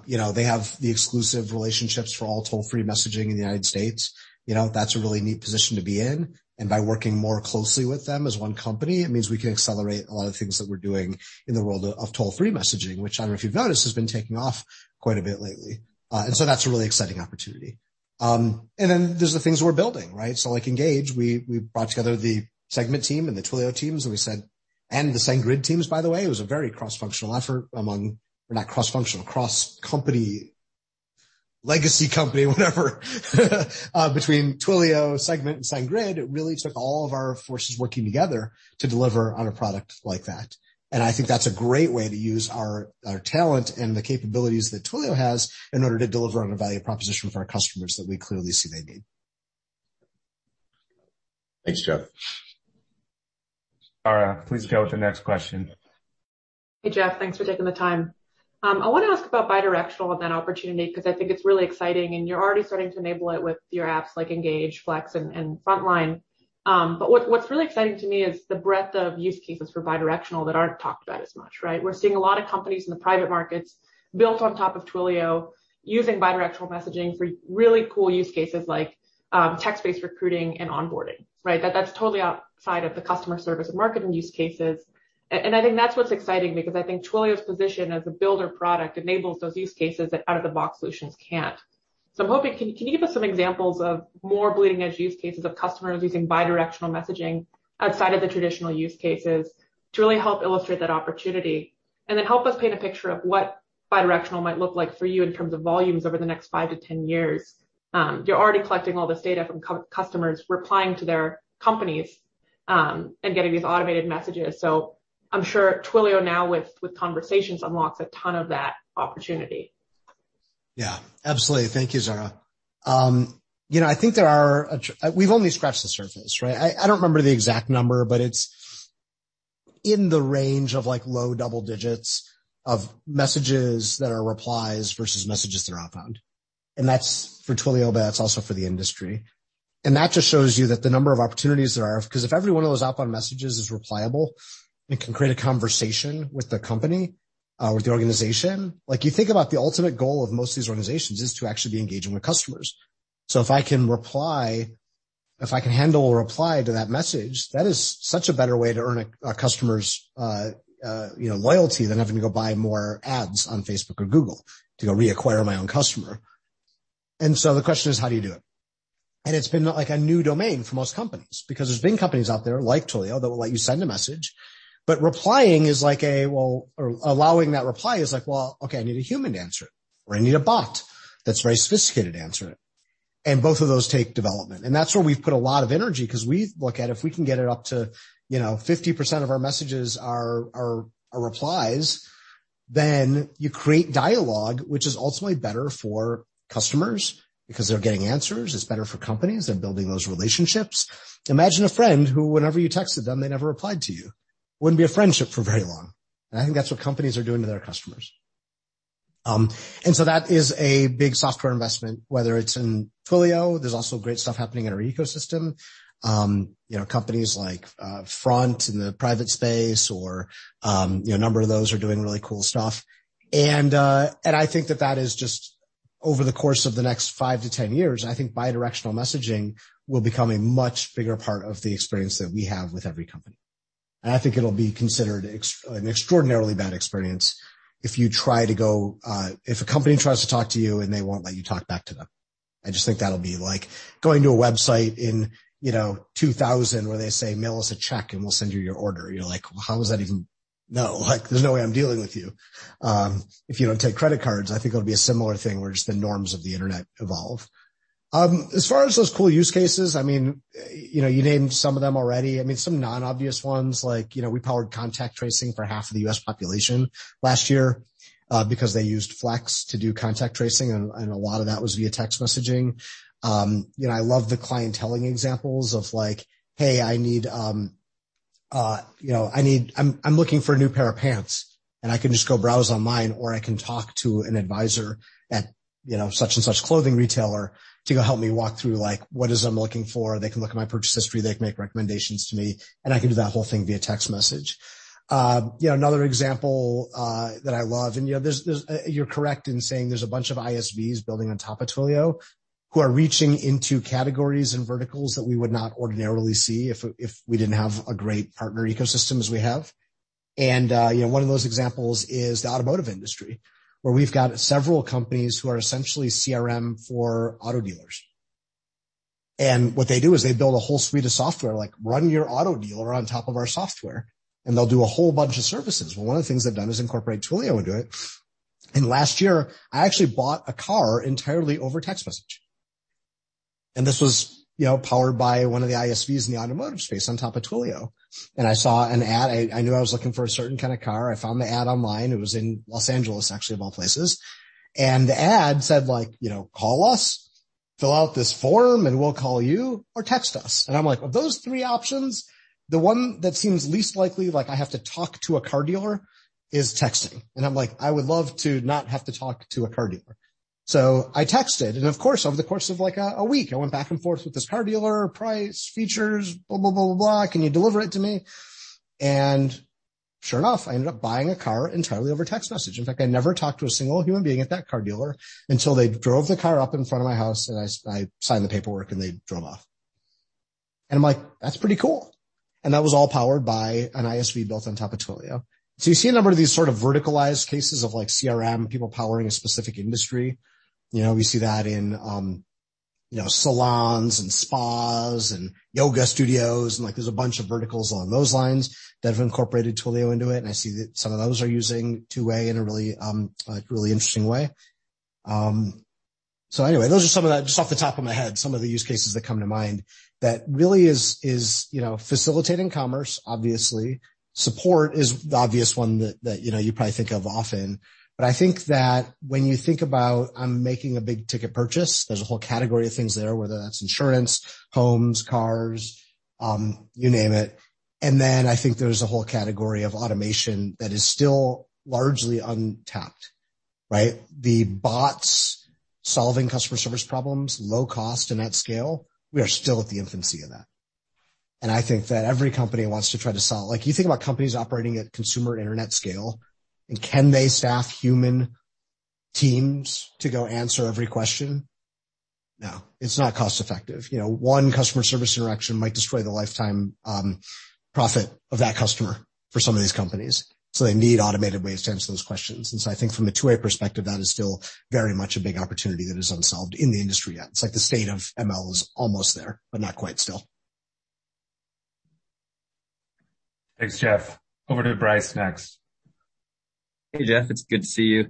[SPEAKER 2] you know, they have the exclusive relationships for all toll-free messaging in the United States. You know, that's a really neat position to be in. By working more closely with them as one company, it means we can accelerate a lot of things that we're doing in the world of toll-free messaging, which I don't know if you've noticed, has been taking off quite a bit lately. That's a really exciting opportunity. Then there's the things we're building, right? Like Engage, we brought together the Segment team and the Twilio teams, and the SendGrid teams by the way. It was a very cross-functional effort among or not cross-functional, cross company, legacy company, whatever, between Twilio, Segment, and SendGrid. It really took all of our forces working together to deliver on a product like that. I think that's a great way to use our talent and the capabilities that Twilio has in order to deliver on a value proposition for our customers that we clearly see they need.
[SPEAKER 9] Thanks, Jeff.
[SPEAKER 3] Zara, please go with the next question.
[SPEAKER 10] Hey, Jeff. Thanks for taking the time. I want to ask about bi-directional event opportunity because I think it's really exciting, and you're already starting to enable it with your apps like Engage, Flex, and Frontline. What's really exciting to me is the breadth of use cases for bi-directional that aren't talked about as much, right? We're seeing a lot of companies in the private markets built on top of Twilio using bi-directional messaging for really cool use cases like text-based recruiting and onboarding, right? That's totally outside of the customer service and marketing use cases. I think that's what's exciting because I think Twilio's position as a builder product enables those use cases that out-of-the-box solutions can't. I'm hoping, can you give us some examples of more bleeding-edge use cases of customers using bi-directional messaging outside of the traditional use cases to really help illustrate that opportunity? Help us paint a picture of what bi-directional might look like for you in terms of volumes over the next 5-10 years. You're already collecting all this data from customers replying to their companies, and getting these automated messages. I'm sure Twilio now with Conversations unlocks a ton of that opportunity.
[SPEAKER 2] Yeah, absolutely. Thank you, Zara. You know, I think we've only scratched the surface, right? I don't remember the exact number, but it's in the range of like low double digits of messages that are replies versus messages that are outbound. That's for Twilio, but that's also for the industry. That just shows you that the number of opportunities there are, 'cause if every one of those outbound messages is repliable and can create a conversation with the company, with the organization. Like, you think about the ultimate goal of most of these organizations is to actually be engaging with customers. If I can reply, if I can handle a reply to that message, that is such a better way to earn a customer's you know loyalty than having to go buy more ads on Facebook or Google to go reacquire my own customer. The question is, how do you do it? It's been like a new domain for most companies because there's been companies out there like Twilio that will let you send a message, but replying, or allowing that reply, is like, well, okay, I need a human to answer it, or I need a bot that's very sophisticated to answer it. Both of those take development. That's where we've put a lot of energy 'cause we look at if we can get it up to, you know, 50% of our messages are replies, then you create dialogue, which is ultimately better for customers because they're getting answers. It's better for companies. They're building those relationships. Imagine a friend who whenever you texted them, they never replied to you. Wouldn't be a friendship for very long. I think that's what companies are doing to their customers. That is a big software investment, whether it's in Twilio. There's also great stuff happening in our ecosystem, you know, companies like Front in the private space or, you know, a number of those are doing really cool stuff. I think that is just over the course of the next 5-10 years, I think bi-directional messaging will become a much bigger part of the experience that we have with every company. I think it'll be considered an extraordinarily bad experience if a company tries to talk to you and they won't let you talk back to them. I just think that'll be like going to a website in, you know, 2000 where they say, "Mail us a check, and we'll send you your order." You're like, "Well, how is that even possible?" No. Like, there's no way I'm dealing with you if you don't take credit cards. I think it'll be a similar thing where just the norms of the Internet evolve. As far as those cool use cases, I mean, you know, you named some of them already. I mean, some non-obvious ones like, you know, we powered contact tracing for half of the U.S. population last year, because they used Flex to do contact tracing, and a lot of that was via text messaging. You know, I love the clienteling examples of like, hey, I need, you know, I need. I'm looking for a new pair of pants, and I can just go browse online, or I can talk to an advisor at, you know, such and such clothing retailer to go help me walk through, like, what is it I'm looking for. They can look at my purchase history, they can make recommendations to me, and I can do that whole thing via text message. You know, another example that I love, and you know, you're correct in saying there's a bunch of ISVs building on top of Twilio who are reaching into categories and verticals that we would not ordinarily see if we didn't have a great partner ecosystem as we have. You know, one of those examples is the automotive industry, where we've got several companies who are essentially CRM for auto dealers. What they do is they build a whole suite of software, like run your auto dealer on top of our software, and they'll do a whole bunch of services. Well, one of the things they've done is incorporate Twilio into it. Last year, I actually bought a car entirely over text message. This was, you know, powered by one of the ISVs in the automotive space on top of Twilio. I saw an ad. I knew I was looking for a certain kind of car. I found the ad online. It was in Los Angeles, actually, of all places. The ad said, like, you know, "Call us, fill out this form, and we'll call you or text us." I'm like, of those three options, the one that seems least likely, like I have to talk to a car dealer, is texting. I'm like, I would love to not have to talk to a car dealer. I texted, and of course, over the course of like a week, I went back and forth with this car dealer, price, features, Can you deliver it to me? Sure enough, I ended up buying a car entirely over text message. In fact, I never talked to a single human being at that car dealer until they drove the car up in front of my house, and I signed the paperwork, and they drove off. I'm like, that's pretty cool. That was all powered by an ISV built on top of Twilio. You see a number of these sort of verticalized cases of like CRM, people powering a specific industry. You know, we see that in, you know, salons and spas and yoga studios, and, like, there's a bunch of verticals along those lines that have incorporated Twilio into it, and I see that some of those are using two-way in a really, like, really interesting way. Anyway, those are some of the, just off the top of my head, some of the use cases that come to mind that really is, you know, facilitating commerce, obviously. Support is the obvious one that, you know, you probably think of often. I think that when you think about I'm making a big ticket purchase, there's a whole category of things there, whether that's insurance, homes, cars, you name it. Then I think there's a whole category of automation that is still largely untapped, right? The bots solving customer service problems, low cost and at scale, we are still at the infancy of that. I think that every company wants to try to solve. Like, you think about companies operating at consumer internet scale, and can they staff human teams to go answer every question? No, it's not cost effective. You know, one customer service interaction might destroy the lifetime profit of that customer for some of these companies. They need automated ways to answer those questions. I think from a two-way perspective, that is still very much a big opportunity that is unsolved in the industry yet. It's like the state of ML is almost there, but not quite still.
[SPEAKER 3] Thanks, Jeff. Over to Bryce next.
[SPEAKER 11] Hey, Jeff, it's good to see you.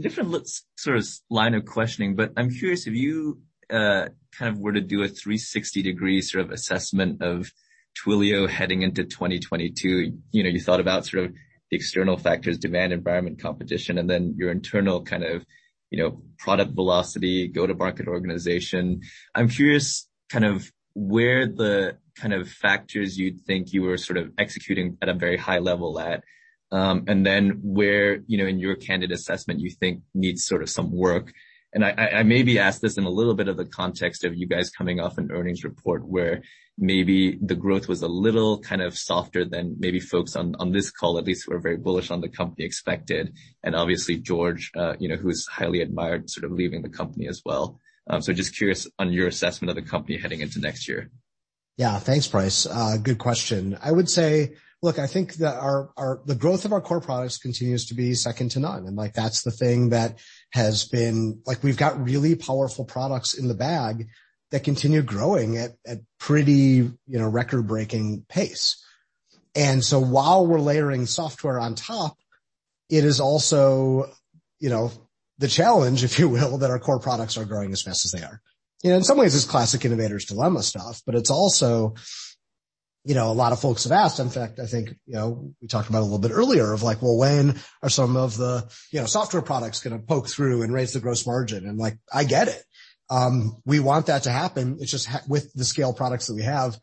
[SPEAKER 11] Different sort of line of questioning, but I'm curious if you kind of were to do a 360-degree sort of assessment of Twilio heading into 2022. You know, you thought about sort of the external factors, demand, environment, competition, and then your internal kind of, you know, product velocity, go-to-market organization. I'm curious kind of where the kind of factors you think you were sort of executing at a very high level, and then where, you know, in your candid assessment you think needs sort of some work. I maybe ask this in a little bit of the context of you guys coming off an earnings report where maybe the growth was a little kind of softer than maybe folks on this call at least, who are very bullish on the company expected. Obviously, George, you know, who is highly admired, sort of leaving the company as well. Just curious on your assessment of the company heading into next year.
[SPEAKER 2] Yeah. Thanks, Bryce. Good question. I would say, look, I think that the growth of our core products continues to be second to none. Like, that's the thing that has been. Like, we've got really powerful products in the bag that continue growing at pretty, you know, record-breaking pace. While we're layering software on top, it is also, you know, the challenge, if you will, that our core products are growing as fast as they are. You know, in some ways, it's classic innovator's dilemma stuff, but it's also, you know, a lot of folks have asked, in fact, I think, you know, we talked about a little bit earlier of like, well, when are some of the, you know, software products gonna poke through and raise the gross margin? Like, I get it. We want that to happen. It's just with the scale products that we have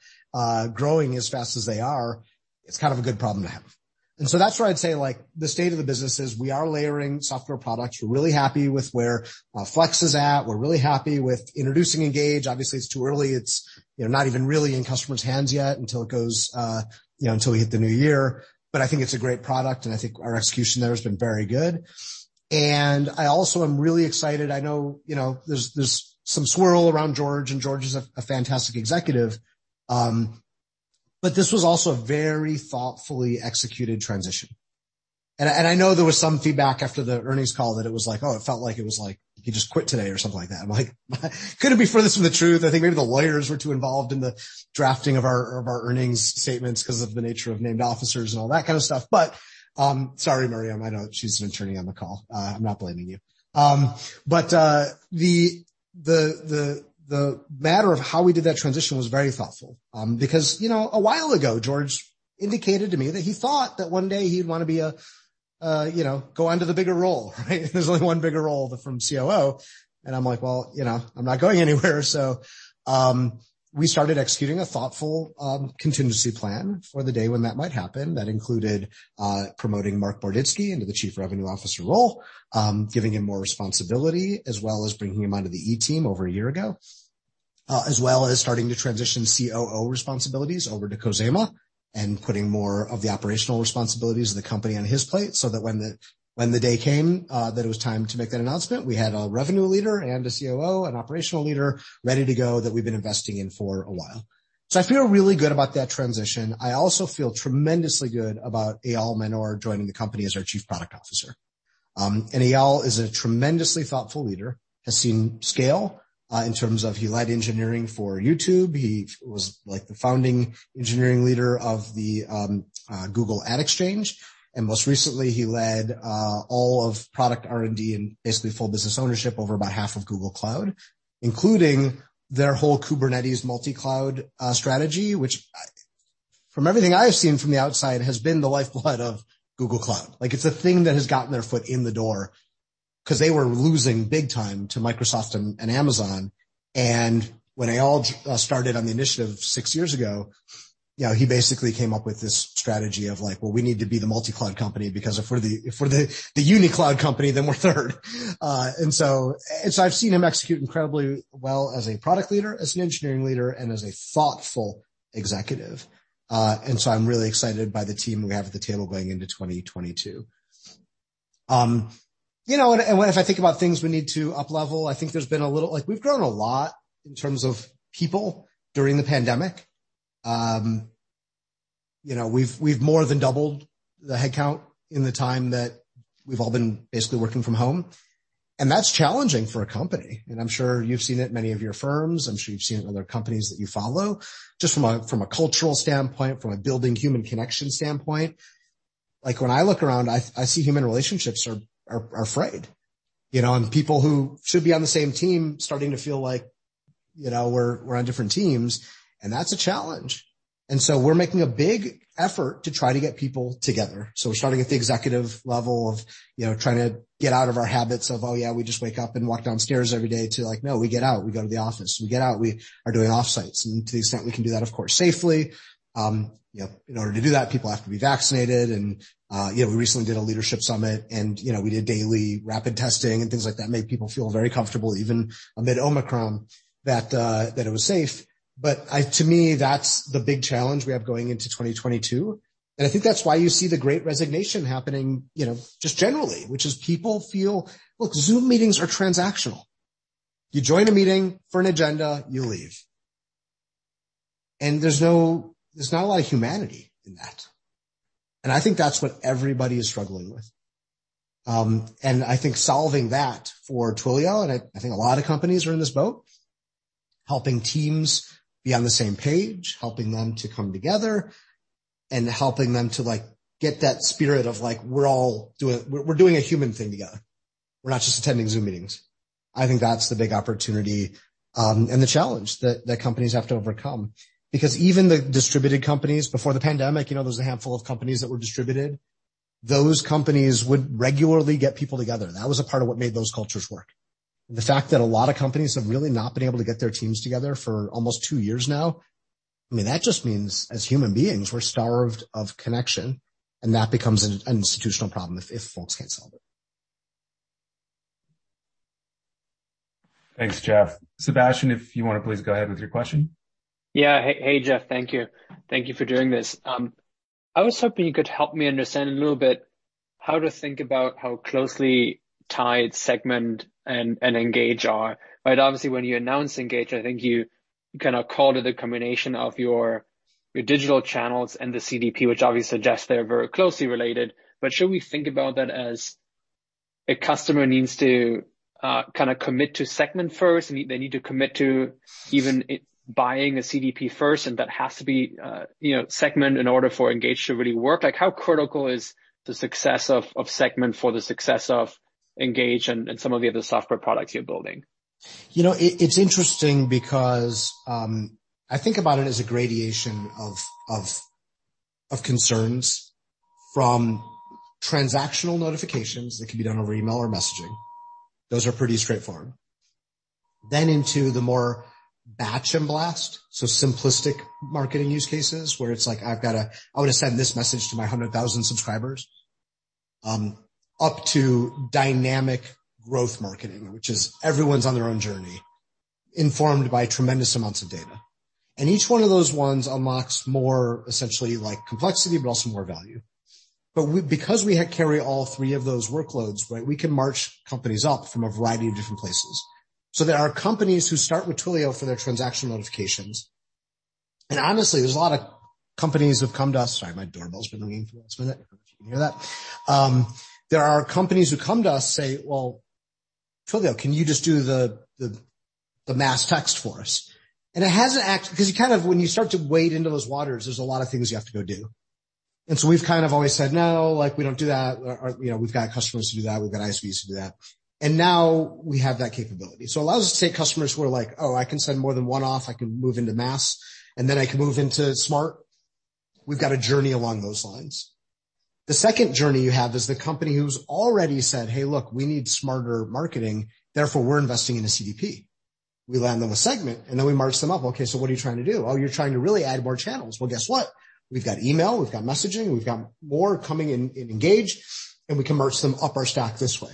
[SPEAKER 2] growing as fast as they are, it's kind of a good problem to have. That's where I'd say, like, the state of the business is we are layering software products. We're really happy with where Flex is at. We're really happy with introducing Engage. Obviously, it's too early. It's, you know, not even really in customers' hands yet until it goes, you know, until we hit the new year. I think it's a great product, and I think our execution there has been very good. I also am really excited. I know, you know, there's some swirl around George, and George is a fantastic executive. This was also a very thoughtfully executed transition. I know there was some feedback after the earnings call that it was like, oh, it felt like it was like he just quit today or something like that. I'm like, couldn't be further from the truth. I think maybe the lawyers were too involved in the drafting of our earnings statements 'cause of the nature of named officers and all that kind of stuff. Sorry, Maria, I know she's an attorney on the call. I'm not blaming you. The matter of how we did that transition was very thoughtful, because, you know, a while ago, George indicated to me that he thought that one day he'd want to be a, you know, go onto the bigger role, right? There's only one bigger role from COO, and I'm like, "Well, you know, I'm not going anywhere." We started executing a thoughtful contingency plan for the day when that might happen. That included promoting Marc Boroditsky into the Chief Revenue Officer role, giving him more responsibility, as well as bringing him onto the E-Team over a year ago, as well as starting to transition COO responsibilities over to Khozema and putting more of the operational responsibilities of the company on his plate so that when the day came that it was time to make that announcement, we had a revenue leader and a COO, an operational leader ready to go that we've been investing in for a while. I feel really good about that transition. I also feel tremendously good about Eyal Manor joining the company as our Chief Product Officer. Eyal is a tremendously thoughtful leader, has seen scale, in terms of he led engineering for YouTube. He was, like, the founding engineering leader of the Google Ad Exchange, and most recently, he led all of product R&D and basically full business ownership over about half of Google Cloud, including their whole Kubernetes multi-cloud strategy, which from everything I have seen from the outside, has been the lifeblood of Google Cloud. Like, it's a thing that has gotten their foot in the door 'cause they were losing big time to Microsoft and Amazon. When Eyal started on the initiative six years ago, you know, he basically came up with this strategy of like, well, we need to be the multi-cloud company because if we're the uni-cloud company, then we're third. I've seen him execute incredibly well as a product leader, as an engineering leader, and as a thoughtful executive. I'm really excited by the team we have at the table going into 2022. If I think about things we need to up-level, I think there's been a little like we've grown a lot in terms of people during the pandemic. We've more than doubled the headcount in the time that we've all been basically working from home, and that's challenging for a company. I'm sure you've seen it in many of your firms. I'm sure you've seen it in other companies that you follow. Just from a cultural standpoint, from a building human connection standpoint, like when I look around, I see human relationships are frayed, you know, and people who should be on the same team starting to feel like, you know, we're on different teams, and that's a challenge. We're making a big effort to try to get people together. We're starting at the executive level of, you know, trying to get out of our habits of, oh yeah, we just wake up and walk downstairs every day to like, no, we get out, we go to the office. We get out, we are doing off-sites. To the extent we can do that, of course, safely, you know, in order to do that, people have to be vaccinated. You know, we recently did a leadership summit and, you know, we did daily rapid testing and things like that, made people feel very comfortable, even amid Omicron, that it was safe. But to me, that's the big challenge we have going into 2022. I think that's why you see the Great Resignation happening, you know, just generally, which is people feel. Look, Zoom meetings are transactional. You join a meeting for an agenda, you leave. There's not a lot of humanity in that. I think that's what everybody is struggling with. I think solving that for Twilio. I think a lot of companies are in this boat, helping teams be on the same page, helping them to come together, and helping them to, like, get that spirit of like, we're doing a human thing together. We're not just attending Zoom meetings. I think that's the big opportunity, and the challenge that companies have to overcome. Because even the distributed companies before the pandemic, you know, there was a handful of companies that were distributed. Those companies would regularly get people together. That was a part of what made those cultures work. The fact that a lot of companies have really not been able to get their teams together for almost two years now, I mean, that just means, as human beings, we're starved of connection, and that becomes an institutional problem if folks can't solve it.
[SPEAKER 3] Thanks, Jeff. Sebastian, if you want to please go ahead with your question.
[SPEAKER 12] Yeah. Hey, Jeff. Thank you. Thank you for doing this. I was hoping you could help me understand a little bit how to think about how closely tied Segment and Engage are, right? Obviously, when you announced Engage, I think you kind of called it a combination of your digital channels and the CDP, which obviously suggests they're very closely related. But should we think about that as a customer needs to kind of commit to Segment first? They need to commit to even buying a CDP first, and that has to be you know, Segment in order for Engage to really work. Like, how critical is the success of Segment for the success of Engage and some of the other software products you're building?
[SPEAKER 2] You know, it's interesting because I think about it as a gradation of concerns from transactional notifications that can be done over email or messaging. Those are pretty straightforward. Into the more batch and blast, so simplistic marketing use cases where it's like, I want to send this message to my 100,000 subscribers, up to dynamic growth marketing, which is everyone's on their own journey, informed by tremendous amounts of data. Each one of those ones unlocks more essentially like complexity, but also more value. Because we carry all three of those workloads, right, we can march companies up from a variety of different places. There are companies who start with Twilio for their transaction notifications. Honestly, there's a lot of companies who have come to us. Sorry, my doorbell's been ringing for the last minute. I don't know if you can hear that. There are companies who come to us say, "Well, Twilio, can you just do the mass text for us?" It hasn't actually, because when you start to wade into those waters, there's a lot of things you have to go do. We've kind of always said, "No, like, we don't do that. Or, you know, we've got customers to do that. We've got ISVs to do that." Now we have that capability. It allows us to take customers who are like, I can send more than one off, I can move into mass, and then I can move into smart," we've got a journey along those lines. The second journey you have is the company who's already said, "Hey, look, we need smarter marketing, therefore we're investing in a CDP." We land them a Segment, and then we merge them up. Okay, so what are you trying to do? you're trying to really add more channels. Well, guess what? We've got email, we've got messaging, we've got more coming in Engage, and we can merge them up our stack this way.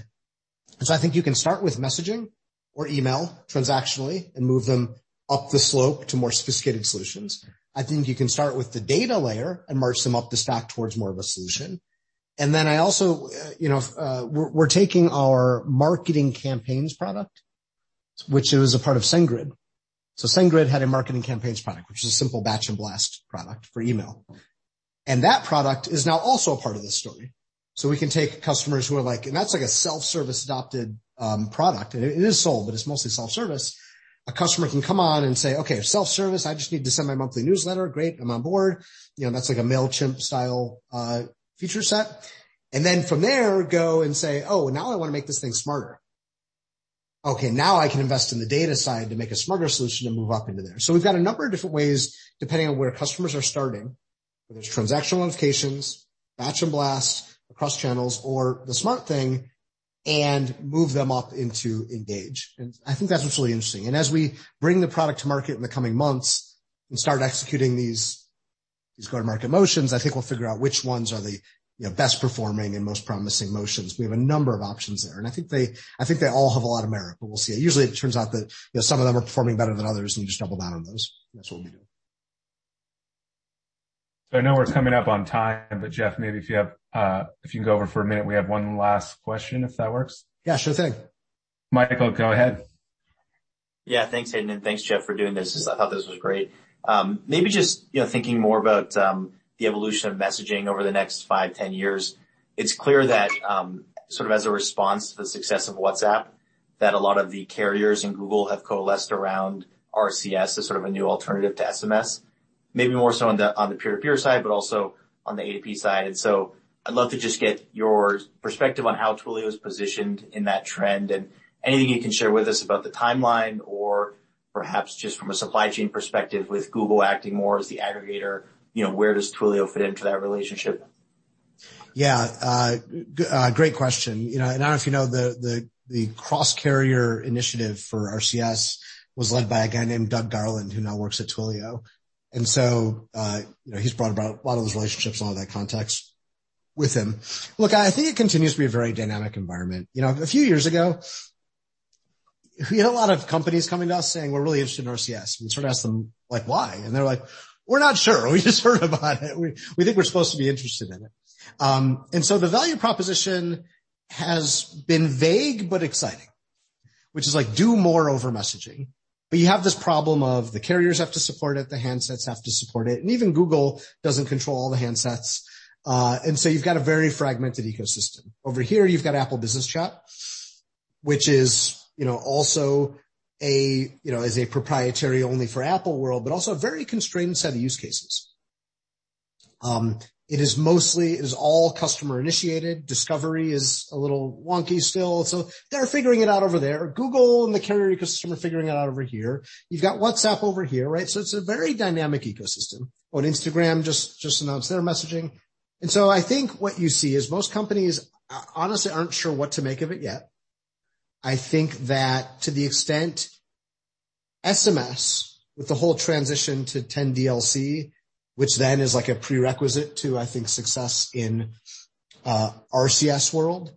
[SPEAKER 2] I think you can start with messaging or email transactionally and move them up the slope to more sophisticated solutions. I think you can start with the data layer and merge them up the stack towards more of a solution. Then I also, you know, we're taking our Marketing Campaigns product, which is a part of SendGrid. SendGrid had a Marketing Campaigns product, which is a simple batch and blast product for email, and that product is now also a part of this story. We can take customers who are like. And that's like a self-service adopted product. It is sold, but it's mostly self-service. A customer can come on and say, "Okay, self-service, I just need to send my monthly newsletter. Great, I'm on board." You know, that's like a Mailchimp style feature set. And then from there, go and say, "Oh, now I wanna make this thing smarter. Okay, now I can invest in the data side to make a smarter solution and move up into there." We've got a number of different ways, depending on where customers are starting, whether it's transactional notifications, batch and blast across channels or the smart thing, and move them up into Engage. I think that's what's really interesting. As we bring the product to market in the coming months and start executing these go-to-market motions, I think we'll figure out which ones are the, you know, best performing and most promising motions. We have a number of options there, and I think they all have a lot of merit, but we'll see. Usually, it turns out that, you know, some of them are performing better than others, and you just double down on those. That's what we do.
[SPEAKER 3] I know we're coming up on time, but Jeff, maybe if you have, if you can go over for a minute, we have one last question, if that works.
[SPEAKER 2] Yeah, sure thing.
[SPEAKER 3] Michael, go ahead.
[SPEAKER 13] Yeah. Thanks, Hayden, and thanks, Jeff, for doing this. I thought this was great. Maybe just, you know, thinking more about the evolution of messaging over the next 5, 10 years, it's clear that sort of as a response to the success of WhatsApp, that a lot of the carriers and Google have coalesced around RCS as sort of a new alternative to SMS, maybe more so on the peer-to-peer side, but also on the A2P side. I'd love to just get your perspective on how Twilio is positioned in that trend and anything you can share with us about the timeline or perhaps just from a supply chain perspective with Google acting more as the aggregator. You know, where does Twilio fit into that relationship?
[SPEAKER 2] Yeah, great question. You know, I don't know if you know the cross carrier initiative for RCS was led by a guy named Doug Garland, who now works at Twilio. You know, he's brought about a lot of those relationships and a lot of that context with him. Look, I think it continues to be a very dynamic environment. You know, a few years ago, we had a lot of companies coming to us saying, "We're really interested in RCS." Sort of asked them, like, "Why?" They're like, "We're not sure. We just heard about it. We think we're supposed to be interested in it." The value proposition has been vague but exciting, which is like do more over messaging. You have this problem of the carriers have to support it, the handsets have to support it, and even Google doesn't control all the handsets, and so you've got a very fragmented ecosystem. Over here you've got Apple Business Chat, which is, you know, also a, you know, is a proprietary only for Apple world, but also a very constrained set of use cases. It is mostly, it is all customer-initiated. Discovery is a little wonky still. They're figuring it out over there. Google and the carrier ecosystem are figuring it out over here. You've got WhatsApp over here, right? It's a very dynamic ecosystem. Instagram just announced their messaging. I think what you see is most companies honestly aren't sure what to make of it yet. I think that to the extent SMS, with the whole transition to 10DLC, which then is like a prerequisite to, I think, success in RCS world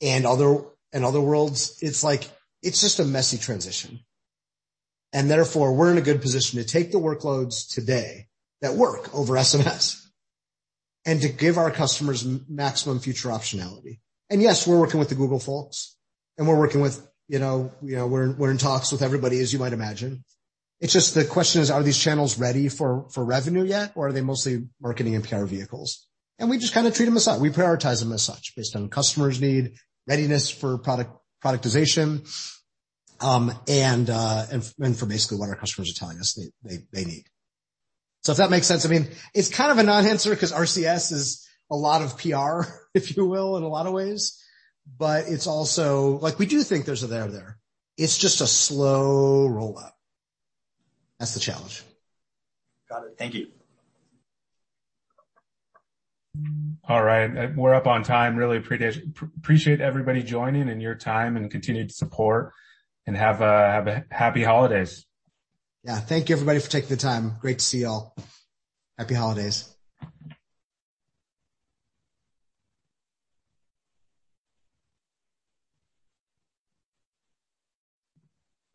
[SPEAKER 2] and other worlds, it's like, it's just a messy transition, and therefore we're in a good position to take the workloads today that work over SMS and to give our customers maximum future optionality. Yes, we're working with the Google folks, you know, and we're in talks with everybody, as you might imagine. It's just the question is, are these channels ready for revenue yet, or are they mostly marketing and PR vehicles? We just kinda treat them as such. We prioritize them as such based on customers' need, readiness for product, productization, and for basically what our customers are telling us they need. If that makes sense. I mean, it's kind of a non-answer 'cause RCS is a lot of PR, if you will, in a lot of ways, but it's also like we do think there's a there there. It's just a slow rollout. That's the challenge.
[SPEAKER 13] Got it. Thank you.
[SPEAKER 3] All right. We're up on time. Really appreciate everybody joining and your time and continued support. Have a happy holidays.
[SPEAKER 2] Yeah. Thank you, everybody, for taking the time. Great to see you all. Happy holidays.